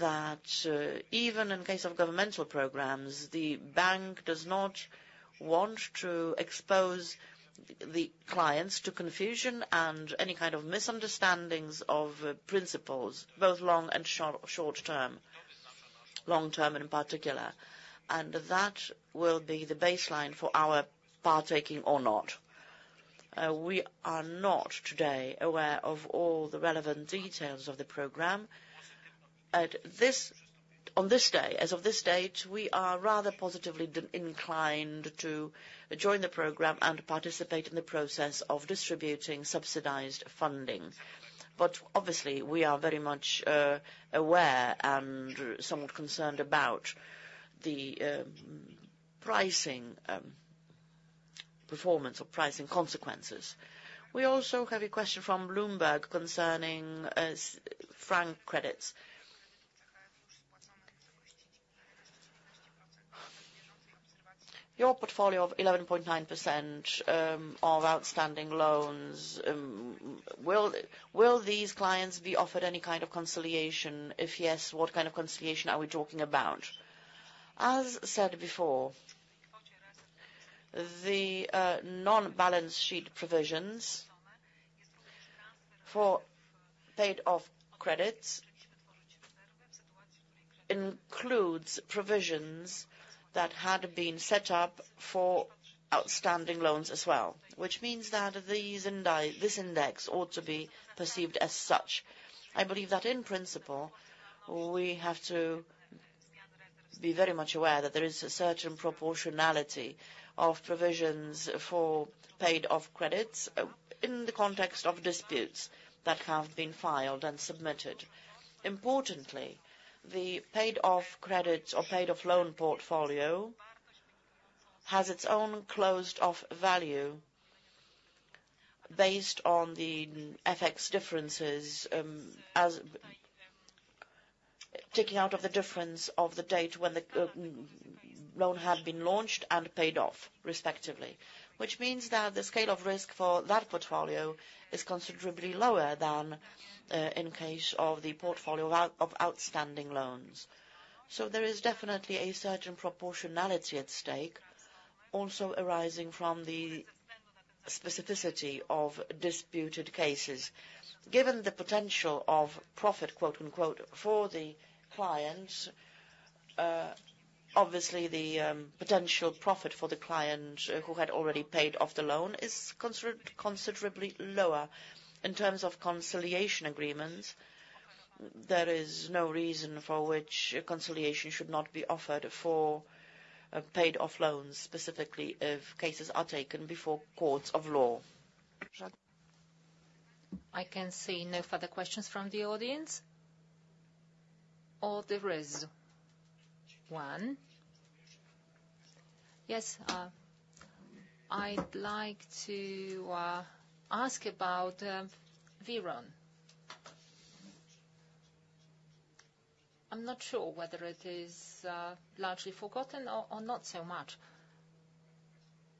that even in case of governmental programs, the bank does not want to expose the clients to confusion and any kind of misunderstandings of principles, both long and short, short term, long term, and in particular. That will be the baseline for our partaking or not. We are not today aware of all the relevant details of the program. On this day, as of this date, we are rather positively inclined to join the program and participate in the process of distributing subsidized funding. But obviously, we are very much aware and somewhat concerned about the pricing performance or pricing consequences. We also have a question from Bloomberg concerning franc credits. Your portfolio of 11.9% of outstanding loans, will these clients be offered any kind of conciliation? If yes, what kind of conciliation are we talking about? As said before, the off-balance sheet provisions for paid-off credits includes provisions that had been set up for outstanding loans as well, which means that this index ought to be perceived as such. I believe that in principle, we have to be very much aware that there is a certain proportionality of provisions for paid-off credits, in the context of disputes that have been filed and submitted. Importantly, the paid-off credits or paid-off loan portfolio has its own closed-off value. ...based on the FX differences, as taking out of the difference of the date when the loan had been launched and paid off, respectively. Which means that the scale of risk for that portfolio is considerably lower than in case of the portfolio out of outstanding loans. So there is definitely a certain proportionality at stake, also arising from the specificity of disputed cases. Given the potential of profit, quote-unquote, for the clients, obviously, the potential profit for the client who had already paid off the loan is considerably lower. In terms of conciliation agreements, there is no reason for which conciliation should not be offered for paid-off loans, specifically if cases are taken before courts of law. I can see no further questions from the audience. Or there is one. Yes, I'd like to ask about WIRON. I'm not sure whether it is largely forgotten or not so much.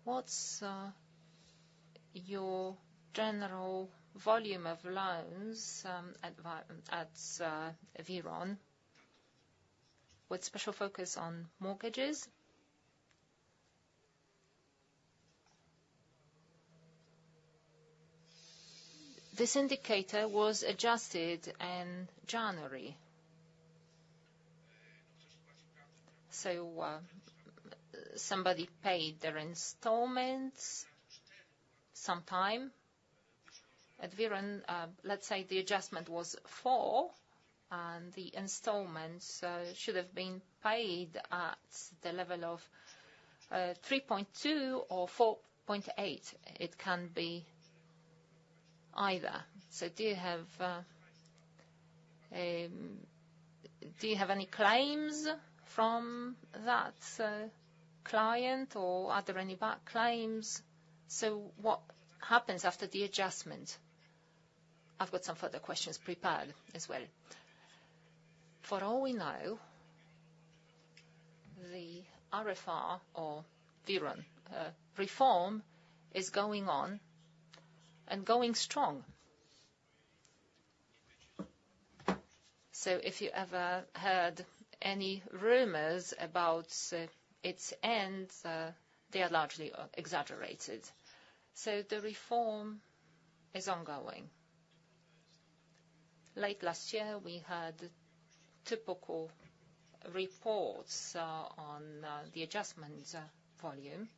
What's your general volume of loans at WIRON, with special focus on mortgages? This indicator was adjusted in January. So somebody paid their installments sometime. At WIRON, let's say the adjustment was 4%, and the installments should have been paid at the level of 3.2% or 4.8%. It can be either. So do you have any claims from that client or are there any back claims? So what happens after the adjustment? I've got some further questions prepared as well. For all we know, the RFR or WIRON reform is going on and going strong. So if you ever heard any rumors about its end, they are largely exaggerated. So the reform is ongoing. Late last year, we had typical reports on the adjustments volume.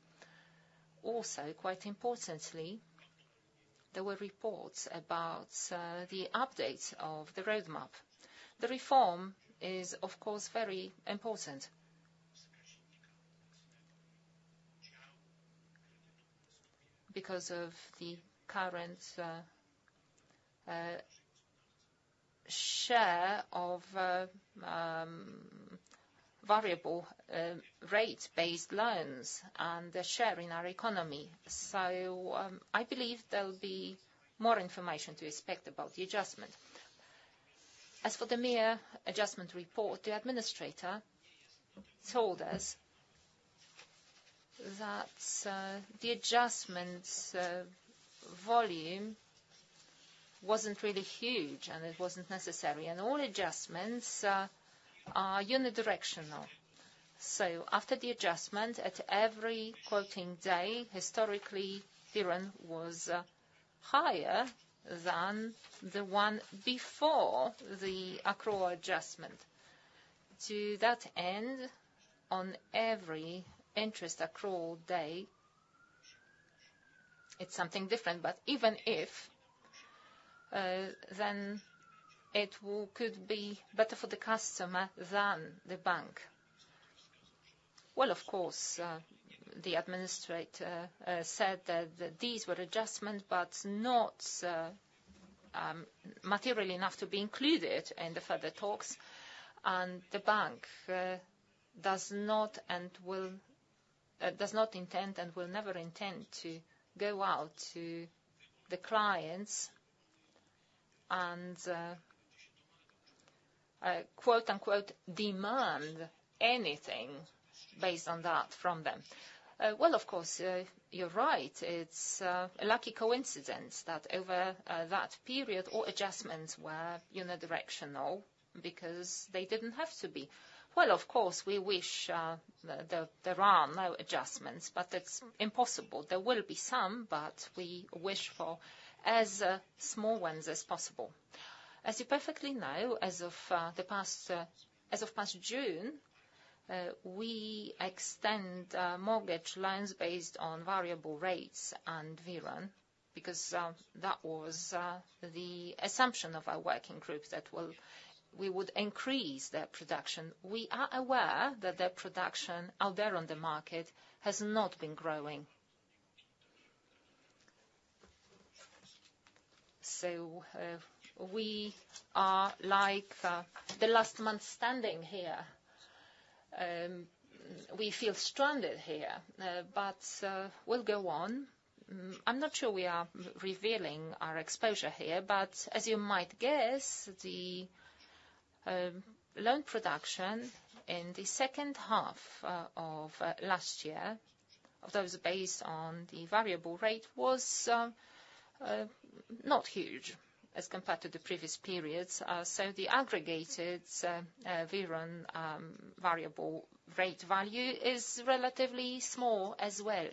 Also, quite importantly, there were reports about the updates of the roadmap. The reform is, of course, very important because of the current share of variable rate-based loans and the share in our economy. So, I believe there will be more information to expect about the adjustment. As for the mere adjustment report, the administrator told us that the adjustments volume wasn't really huge, and it wasn't necessary, and all adjustments are unidirectional. So after the adjustment, at every quoting day, historically, WIRON was higher than the one before the accrual adjustment. To that end, on every interest accrual day, it's something different, but even if then it could be better for the customer than the bank. Well, of course, the administrator said that these were adjustments, but not materially enough to be included in the further talks, and the bank does not intend and will never intend to go out to the clients and quote-unquote, "demand" anything based on that from them. Well, of course, you're right. It's a lucky coincidence that over that period, all adjustments were unidirectional because they didn't have to be. Well, of course, we wish there are no adjustments, but it's impossible. There will be some, but we wish for as small ones as possible. As you perfectly know, as of past June, we extend mortgage loans based on variable rates and WIRON, because that was the assumption of our working group, that well, we would increase their production. We are aware that their production out there on the market has not been growing. So, we are like the last man standing here. We feel stranded here, but we'll go on. I'm not sure we are revealing our exposure here, but as you might guess, the loan production in the second half of last year, of those based on the variable rate, was not huge as compared to the previous periods. So the aggregated WIRON variable rate value is relatively small as well.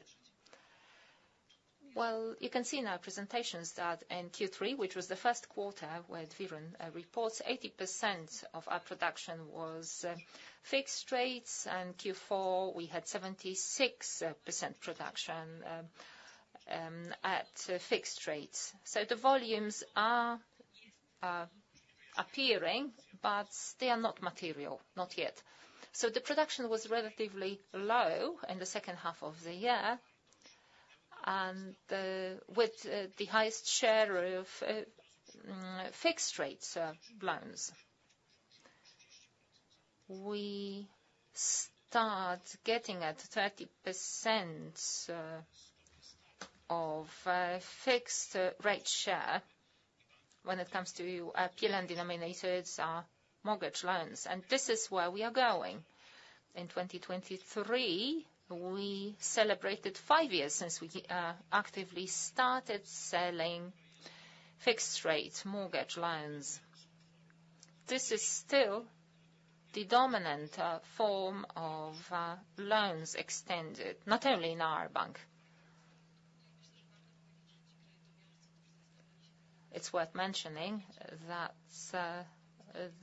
Well, you can see in our presentations that in Q3, which was the first quarter with WIRON reports, 80% of our production was fixed rates, and Q4, we had 76% production at fixed rates. So the volumes are appearing, but they are not material, not yet. So the production was relatively low in the second half of the year, and with the highest share of fixed rates loans. We start getting at 30% of fixed rate share when it comes to PLN-denominated mortgage loans, and this is where we are going. In 2023, we celebrated 5 years since we actively started selling fixed rate mortgage loans. This is still the dominant form of loans extended, not only in our bank. It's worth mentioning that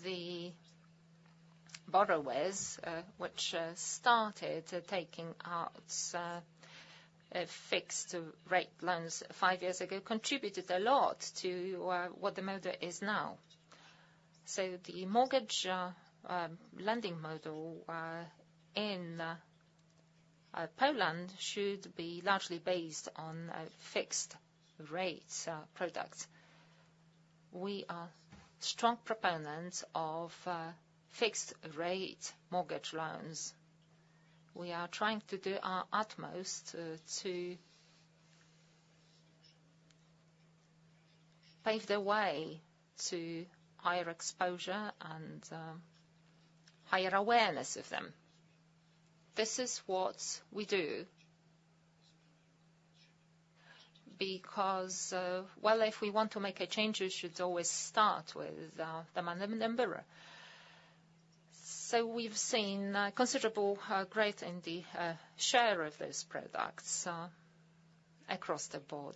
the borrowers which started taking out fixed rate loans five years ago contributed a lot to what the model is now. So the mortgage lending model in Poland should be largely based on a fixed rate product. We are strong proponents of fixed rate mortgage loans. We are trying to do our utmost to pave the way to higher exposure and higher awareness of them. This is what we do, because well, if we want to make a change, we should always start with the man and the borrower. So we've seen a considerable growth in the share of those products across the board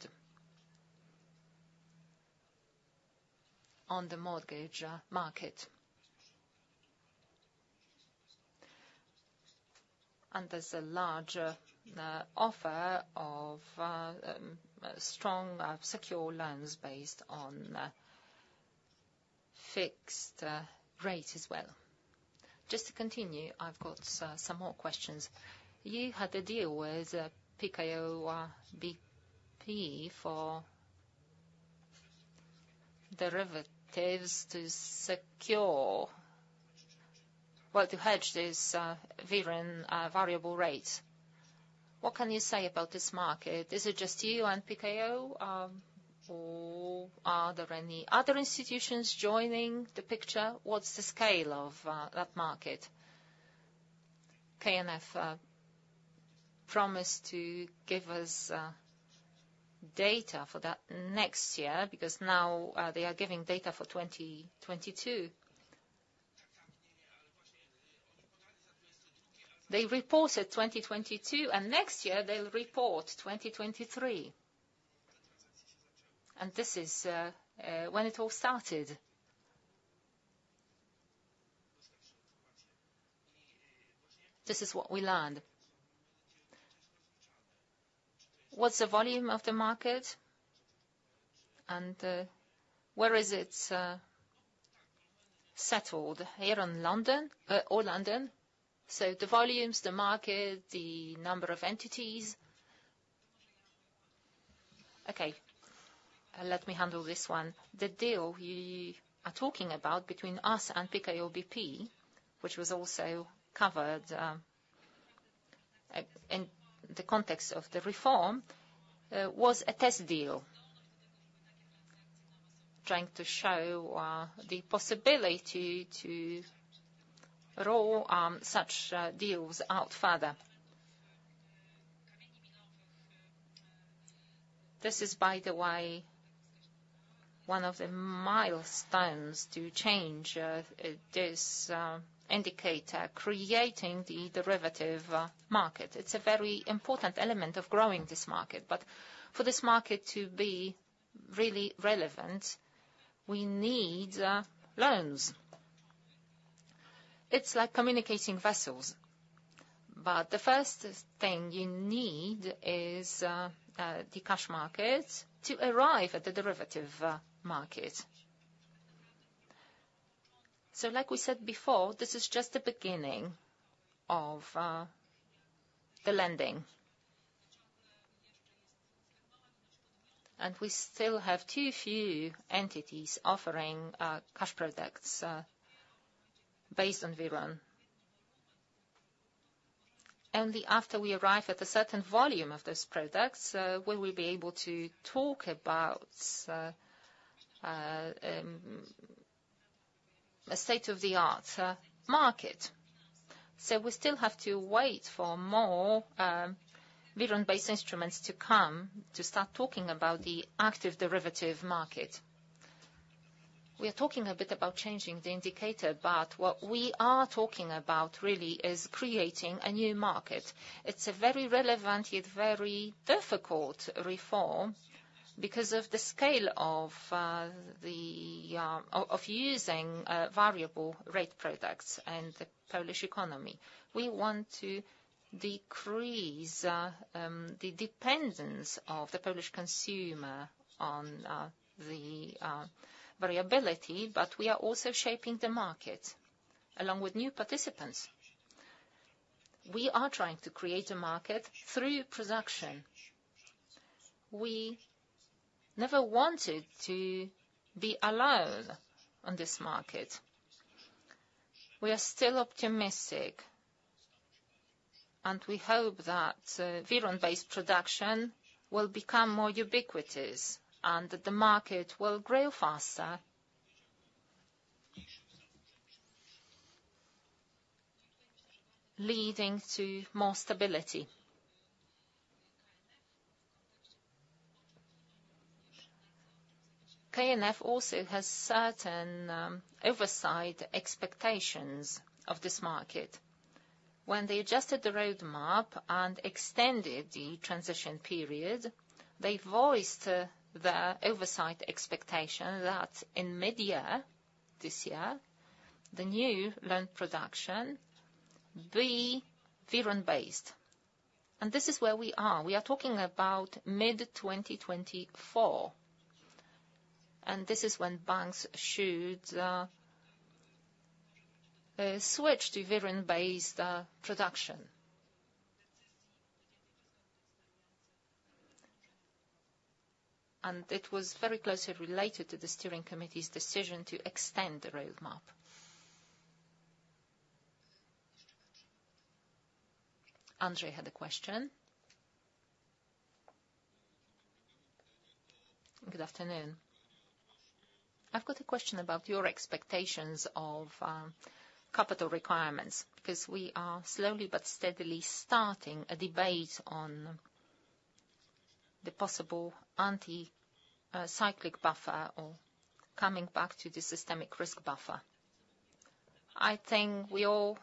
on the mortgage market. There's a larger offer of strong secure loans based on fixed rate as well. Just to continue, I've got some more questions. You had a deal with PKO BP for derivatives to secure - well, to hedge these WIRON variable rates. What can you say about this market? Is it just you and PKO, or are there any other institutions joining the picture? What's the scale of that market? KNF promised to give us data for that next year, because now they are giving data for 2022. They reported 2022, and next year they'll report 2023. And this is when it all started. This is what we learned. What's the volume of the market, and where is it settled, here in London, or London? So the volumes, the market, the number of entities. Okay, let me handle this one. The deal you are talking about between us and PKO BP, which was also covered, in the context of the reform, was a test deal, trying to show, the possibility to roll, such, deals out further. This is, by the way, one of the milestones to change, this, indicator, creating the derivative, market. It's a very important element of growing this market, but for this market to be really relevant, we need, loans. It's like communicating vessels, but the first thing you need is, the cash market to arrive at the derivative, market. So like we said before, this is just the beginning of, the lending. And we still have too few entities offering cash products based on WIRON. Only after we arrive at a certain volume of those products will we be able to talk about a state-of-the-art market. So we still have to wait for more WIRON-based instruments to come, to start talking about the active derivative market. We are talking a bit about changing the indicator, but what we are talking about really is creating a new market. It's a very relevant, yet very difficult reform, because of the scale of using variable rate products and the Polish economy. We want to decrease the dependence of the Polish consumer on the variability, but we are also shaping the market along with new participants. We are trying to create a market through production. We never wanted to be alone on this market. We are still optimistic, and we hope that, WIRON-based production will become more ubiquitous, and that the market will grow faster leading to more stability. KNF also has certain oversight expectations of this market. When they adjusted the roadmap and extended the transition period, they voiced the oversight expectation that in mid-year, this year, the new loan production be WIRON-based. And this is where we are. We are talking about mid-2024, and this is when banks should switch to WIRON-based production. And it was very closely related to the steering committee's decision to extend the roadmap. Andrej had a question. Good afternoon. I've got a question about your expectations of capital requirements, because we are slowly but steadily starting a debate on the possible countercyclical buffer or coming back to the systemic risk buffer. I think we all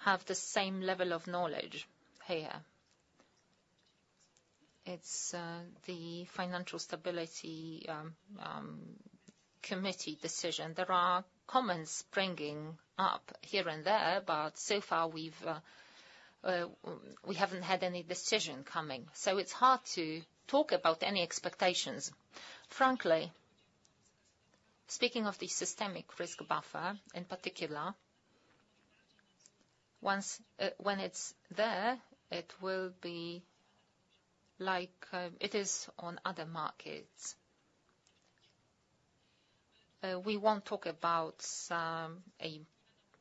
have the same level of knowledge here. It's the Financial Stability Committee decision. There are comments springing up here and there, but so far, we haven't had any decision coming, so it's hard to talk about any expectations. Frankly, speaking of the systemic risk buffer, in particular, once when it's there, it will be like it is on other markets. We won't talk about a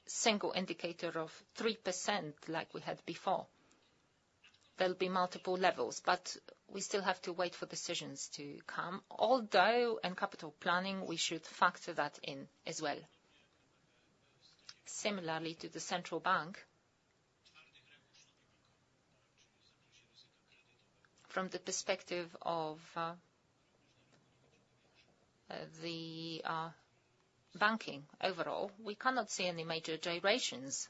single indicator of 3% like we had before. There'll be multiple levels, but we still have to wait for decisions to come, although in capital planning, we should factor that in as well. Similarly to the central bank, from the perspective of the banking overall, we cannot see any major gyrations.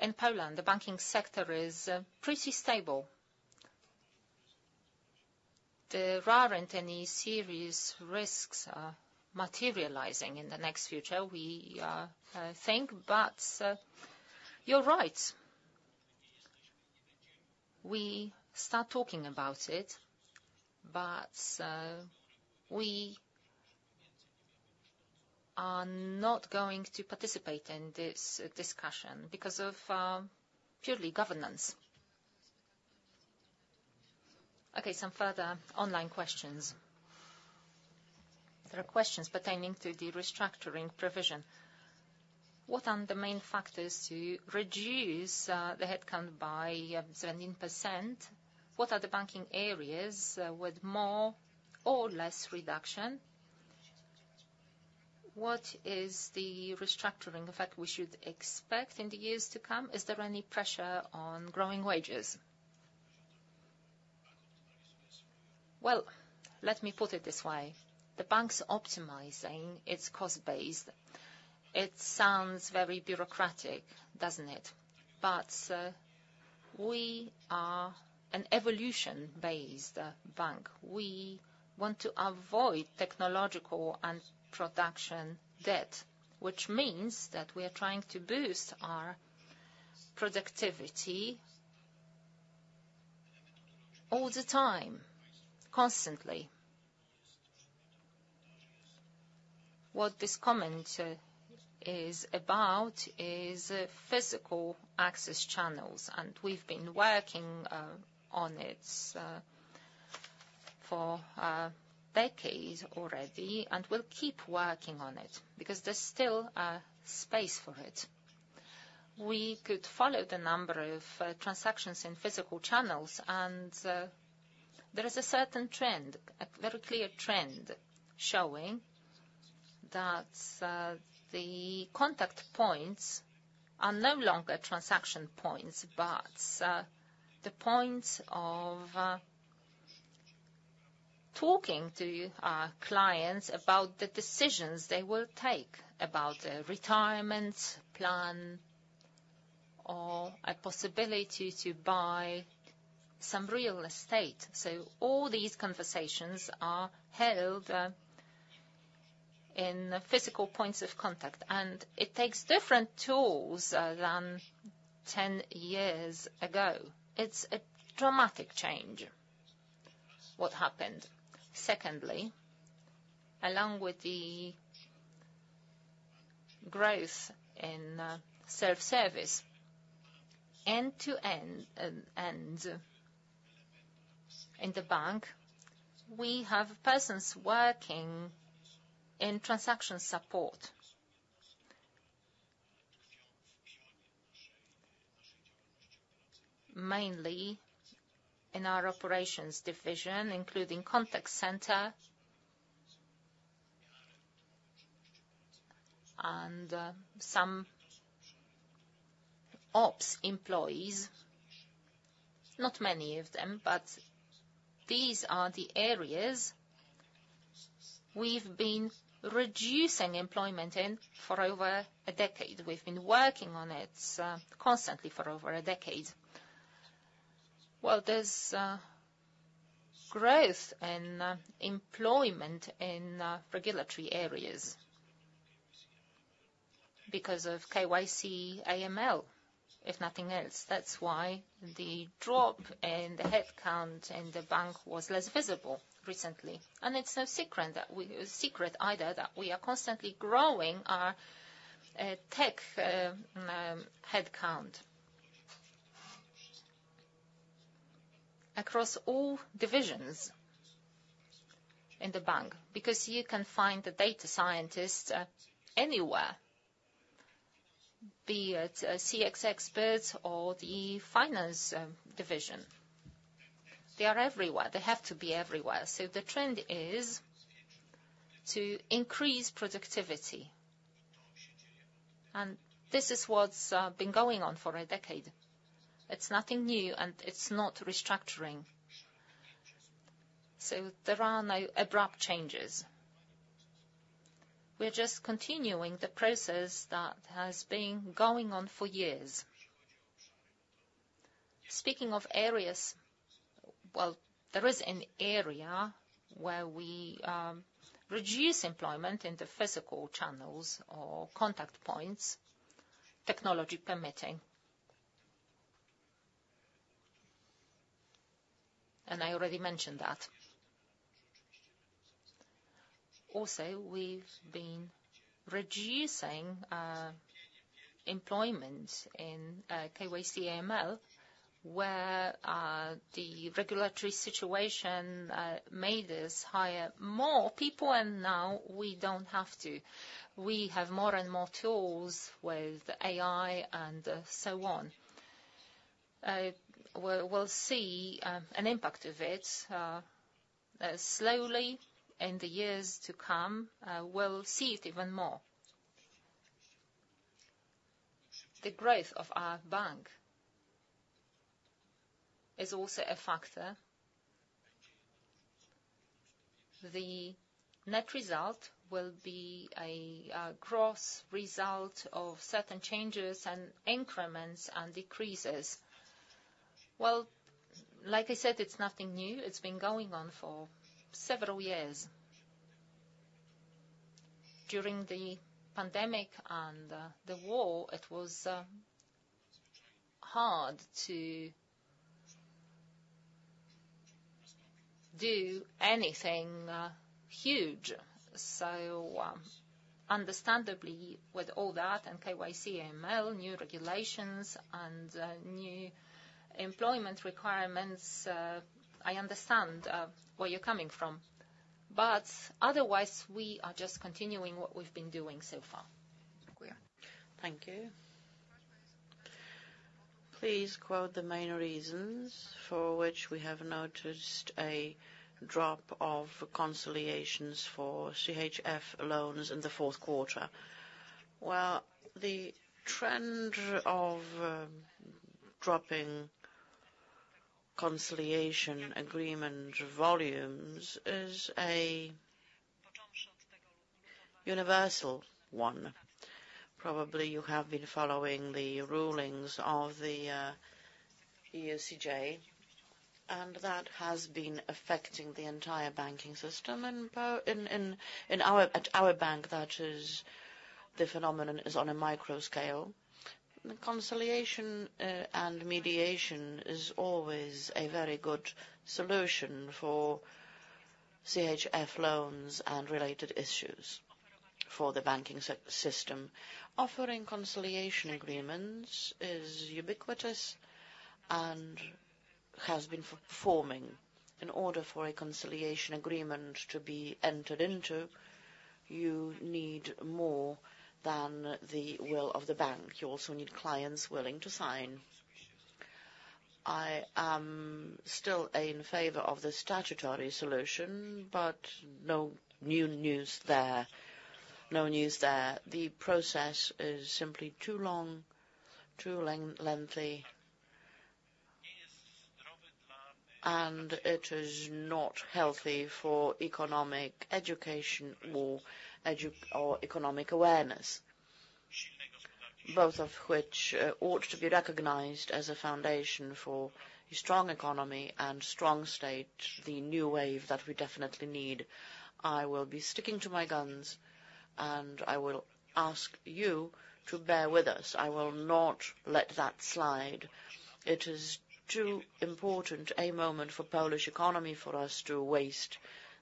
In Poland, the banking sector is pretty stable. There aren't any serious risks materializing in the next future, we think, but you're right. We start talking about it, but we are not going to participate in this discussion because of purely governance. Okay, some further online questions. There are questions pertaining to the restructuring provision. What are the main factors to reduce the headcount by 17%? What are the banking areas with more or less reduction? What is the restructuring effect we should expect in the years to come? Is there any pressure on growing wages? Well, let me put it this way: the bank's optimizing its cost base. It sounds very bureaucratic, doesn't it? But, we are an evolution-based bank. We want to avoid technological and production debt, which means that we are trying to boost our productivity all the time, constantly. What this comment is about is physical access channels, and we've been working on it for decades already, and we'll keep working on it because there's still space for it. We could follow the number of transactions in physical channels, and there is a certain trend, a very clear trend, showing that the contact points are no longer transaction points, but the points of talking to our clients about the decisions they will take about a retirement plan or a possibility to buy some real estate. So all these conversations are held in physical points of contact, and it takes different tools than 10 years ago. It's a dramatic change, what happened. Secondly, along with the growth in self-service, end-to-end, and in the bank, we have persons working in transaction support. Mainly in our operations division, including contact center and some ops employees, not many of them, but these are the areas we've been reducing employment in for over a decade. We've been working on it constantly for over a decade. Well, there's growth in employment in regulatory areas because of KYC, AML, if nothing else. That's why the drop in the headcount in the bank was less visible recently. And it's no secret either that we are constantly growing our tech headcount across all divisions in the bank, because you can find the data scientists anywhere, be it CX experts or the finance division. They are everywhere. They have to be everywhere. So the trend is to increase productivity, and this is what's been going on for a decade. It's nothing new, and it's not restructuring, so there are no abrupt changes. We're just continuing the process that has been going on for years. Speaking of areas, well, there is an area where we reduce employment in the physical channels or contact points, technology permitting. I already mentioned that. Also, we've been reducing employment in KYC, AML, where the regulatory situation made us hire more people, and now we don't have to. We have more and more tools with AI and so on. We'll see an impact of it slowly in the years to come, we'll see it even more. The growth of our bank is also a factor. The net result will be a cross result of certain changes and increments and decreases. Well, like I said, it's nothing new. It's been going on for several years. During the pandemic and the war, it was hard to do anything huge. So, understandably, with all that, and KYC, AML, new regulations, and new employment requirements, I understand where you're coming from. But otherwise, we are just continuing what we've been doing so far. Thank you. Please quote the main reasons for which we have noticed a drop of conciliations for CHF loans in the fourth quarter. Well, the trend of dropping conciliation agreement volumes is a universal one. Probably, you have been following the rulings of the ECJ, and that has been affecting the entire banking system. At our bank, that is, the phenomenon is on a micro scale. Conciliation and mediation is always a very good solution for CHF loans and related issues for the banking system. Offering conciliation agreements is ubiquitous and has been performing. In order for a conciliation agreement to be entered into, you need more than the will of the bank. You also need clients willing to sign. I am still in favor of the statutory solution, but no new news there, no news there. The process is simply too long, too lengthy, and it is not healthy for economic education or economic awareness, both of which ought to be recognized as a foundation for a strong economy and strong state, the new wave that we definitely need. I will be sticking to my guns, and I will ask you to bear with us. I will not let that slide. It is too important a moment for Polish economy, for us to waste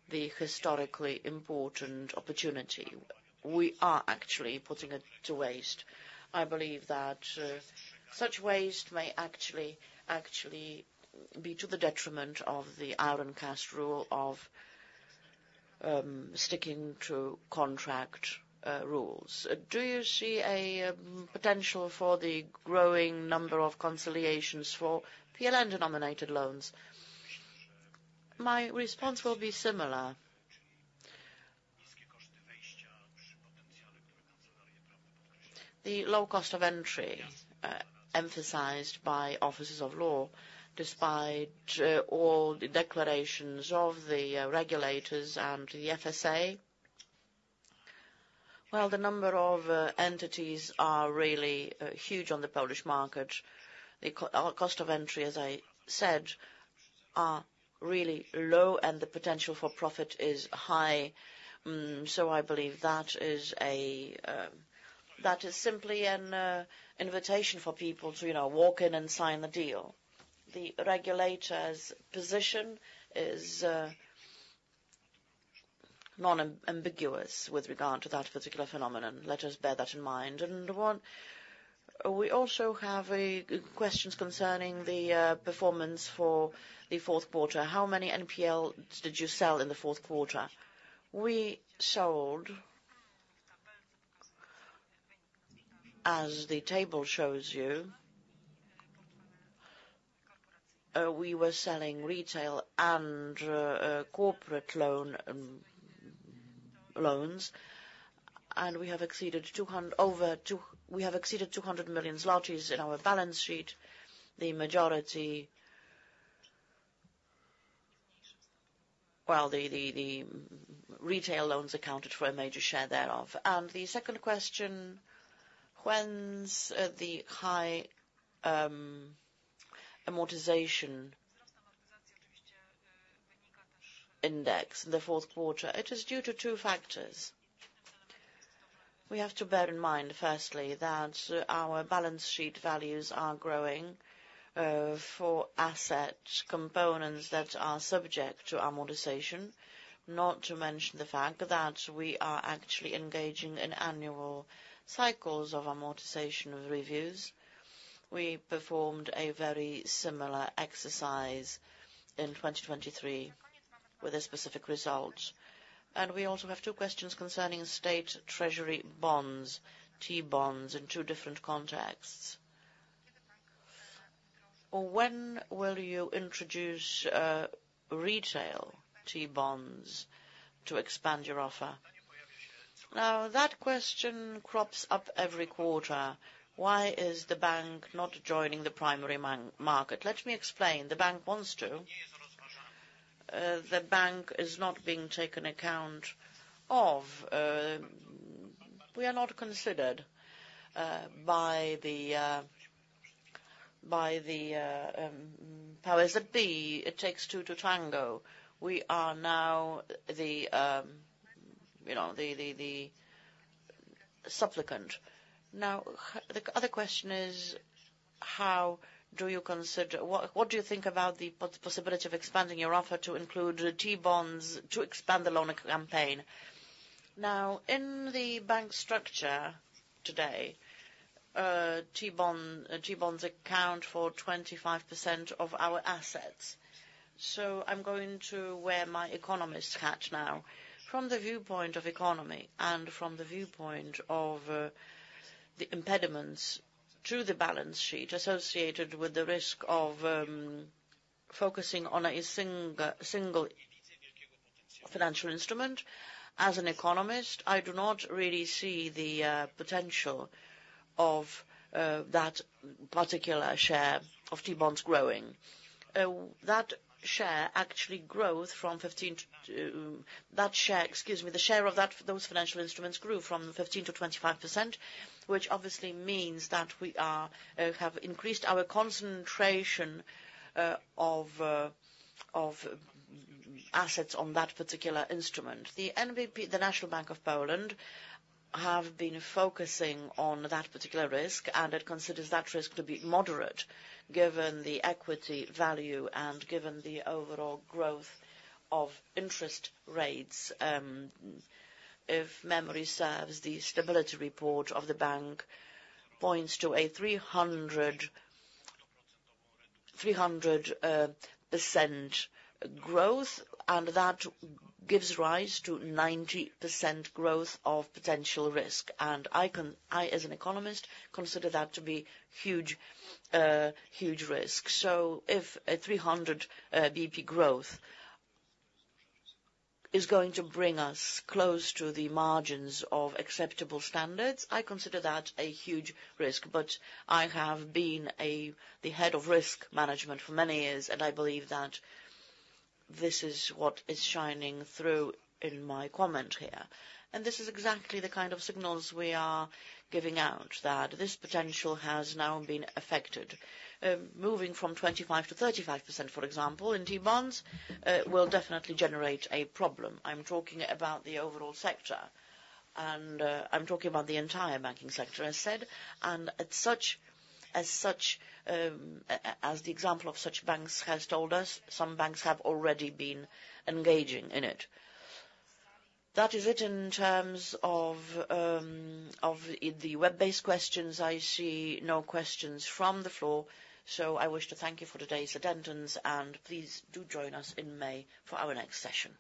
the historically important opportunity. We are actually putting it to waste. I believe that such waste may actually be to the detriment of the iron cast rule of sticking to contract rules. Do you see a potential for the growing number of conciliations for PLN-denominated loans? My response will be similar. The low cost of entry, emphasized by offices of law, despite all the declarations of the regulators and the FSA, well, the number of entities are really huge on the Polish market. The cost of entry, as I said, are really low, and the potential for profit is high. So I believe that is a, that is simply an invitation for people to, you know, walk in and sign the deal. The regulators' position is non-ambiguous with regard to that particular phenomenon. Let us bear that in mind. And one... We also have a questions concerning the performance for the fourth quarter. How many NPLs did you sell in the fourth quarter? We sold, as the table shows you, we were selling retail and corporate loans, and we have exceeded 200 million zlotys in our balance sheet. The majority. Well, the retail loans accounted for a major share thereof. And the second question, what's the high amortization index in the fourth quarter? It is due to two factors. We have to bear in mind, firstly, that our balance sheet values are growing for asset components that are subject to amortization, not to mention the fact that we are actually engaging in annual cycles of amortization reviews. We performed a very similar exercise in 2023 with a specific result. And we also have two questions concerning State Treasury bonds, T-bonds, in two different contexts. When will you introduce retail T-bonds to expand your offer? Now, that question crops up every quarter. Why is the bank not joining the primary market? Let me explain. The bank wants to. The bank is not being taken account of. We are not considered by the powers that be. It takes two to tango. We are now the you know, the supplicant. Now, the other question is: how do you consider... What do you think about the possibility of expanding your offer to include T-bonds to expand the loan campaign? Now, in the bank structure today, T-bonds account for 25% of our assets. So I'm going to wear my economist hat now. From the viewpoint of economy and from the viewpoint of the impediments to the balance sheet associated with the risk of focusing on a single financial instrument, as an economist, I do not really see the potential of that particular share of T-bonds growing. That share actually, excuse me, the share of those financial instruments grew from 15 to 25%, which obviously means that we have increased our concentration of assets on that particular instrument. The NBP, the National Bank of Poland, have been focusing on that particular risk, and it considers that risk to be moderate, given the equity value and given the overall growth of interest rates. If memory serves, the stability report of the bank points to a 300, 300 percent growth, and that gives rise to 90% growth of potential risk. And I, as an economist, consider that to be huge, huge risk. So if a 300 BP growth is going to bring us close to the margins of acceptable standards, I consider that a huge risk. But I have been the head of risk management for many years, and I believe that this is what is shining through in my comment here. And this is exactly the kind of signals we are giving out, that this potential has now been affected. Moving from 25% to 35%, for example, in T-bonds, will definitely generate a problem. I'm talking about the overall sector, and I'm talking about the entire banking sector, as said. And as such, as the example of such banks has told us, some banks have already been engaging in it. That is it in terms of, of the web-based questions. I see no questions from the floor, so I wish to thank you for today's attendance, and please do join us in May for our next session.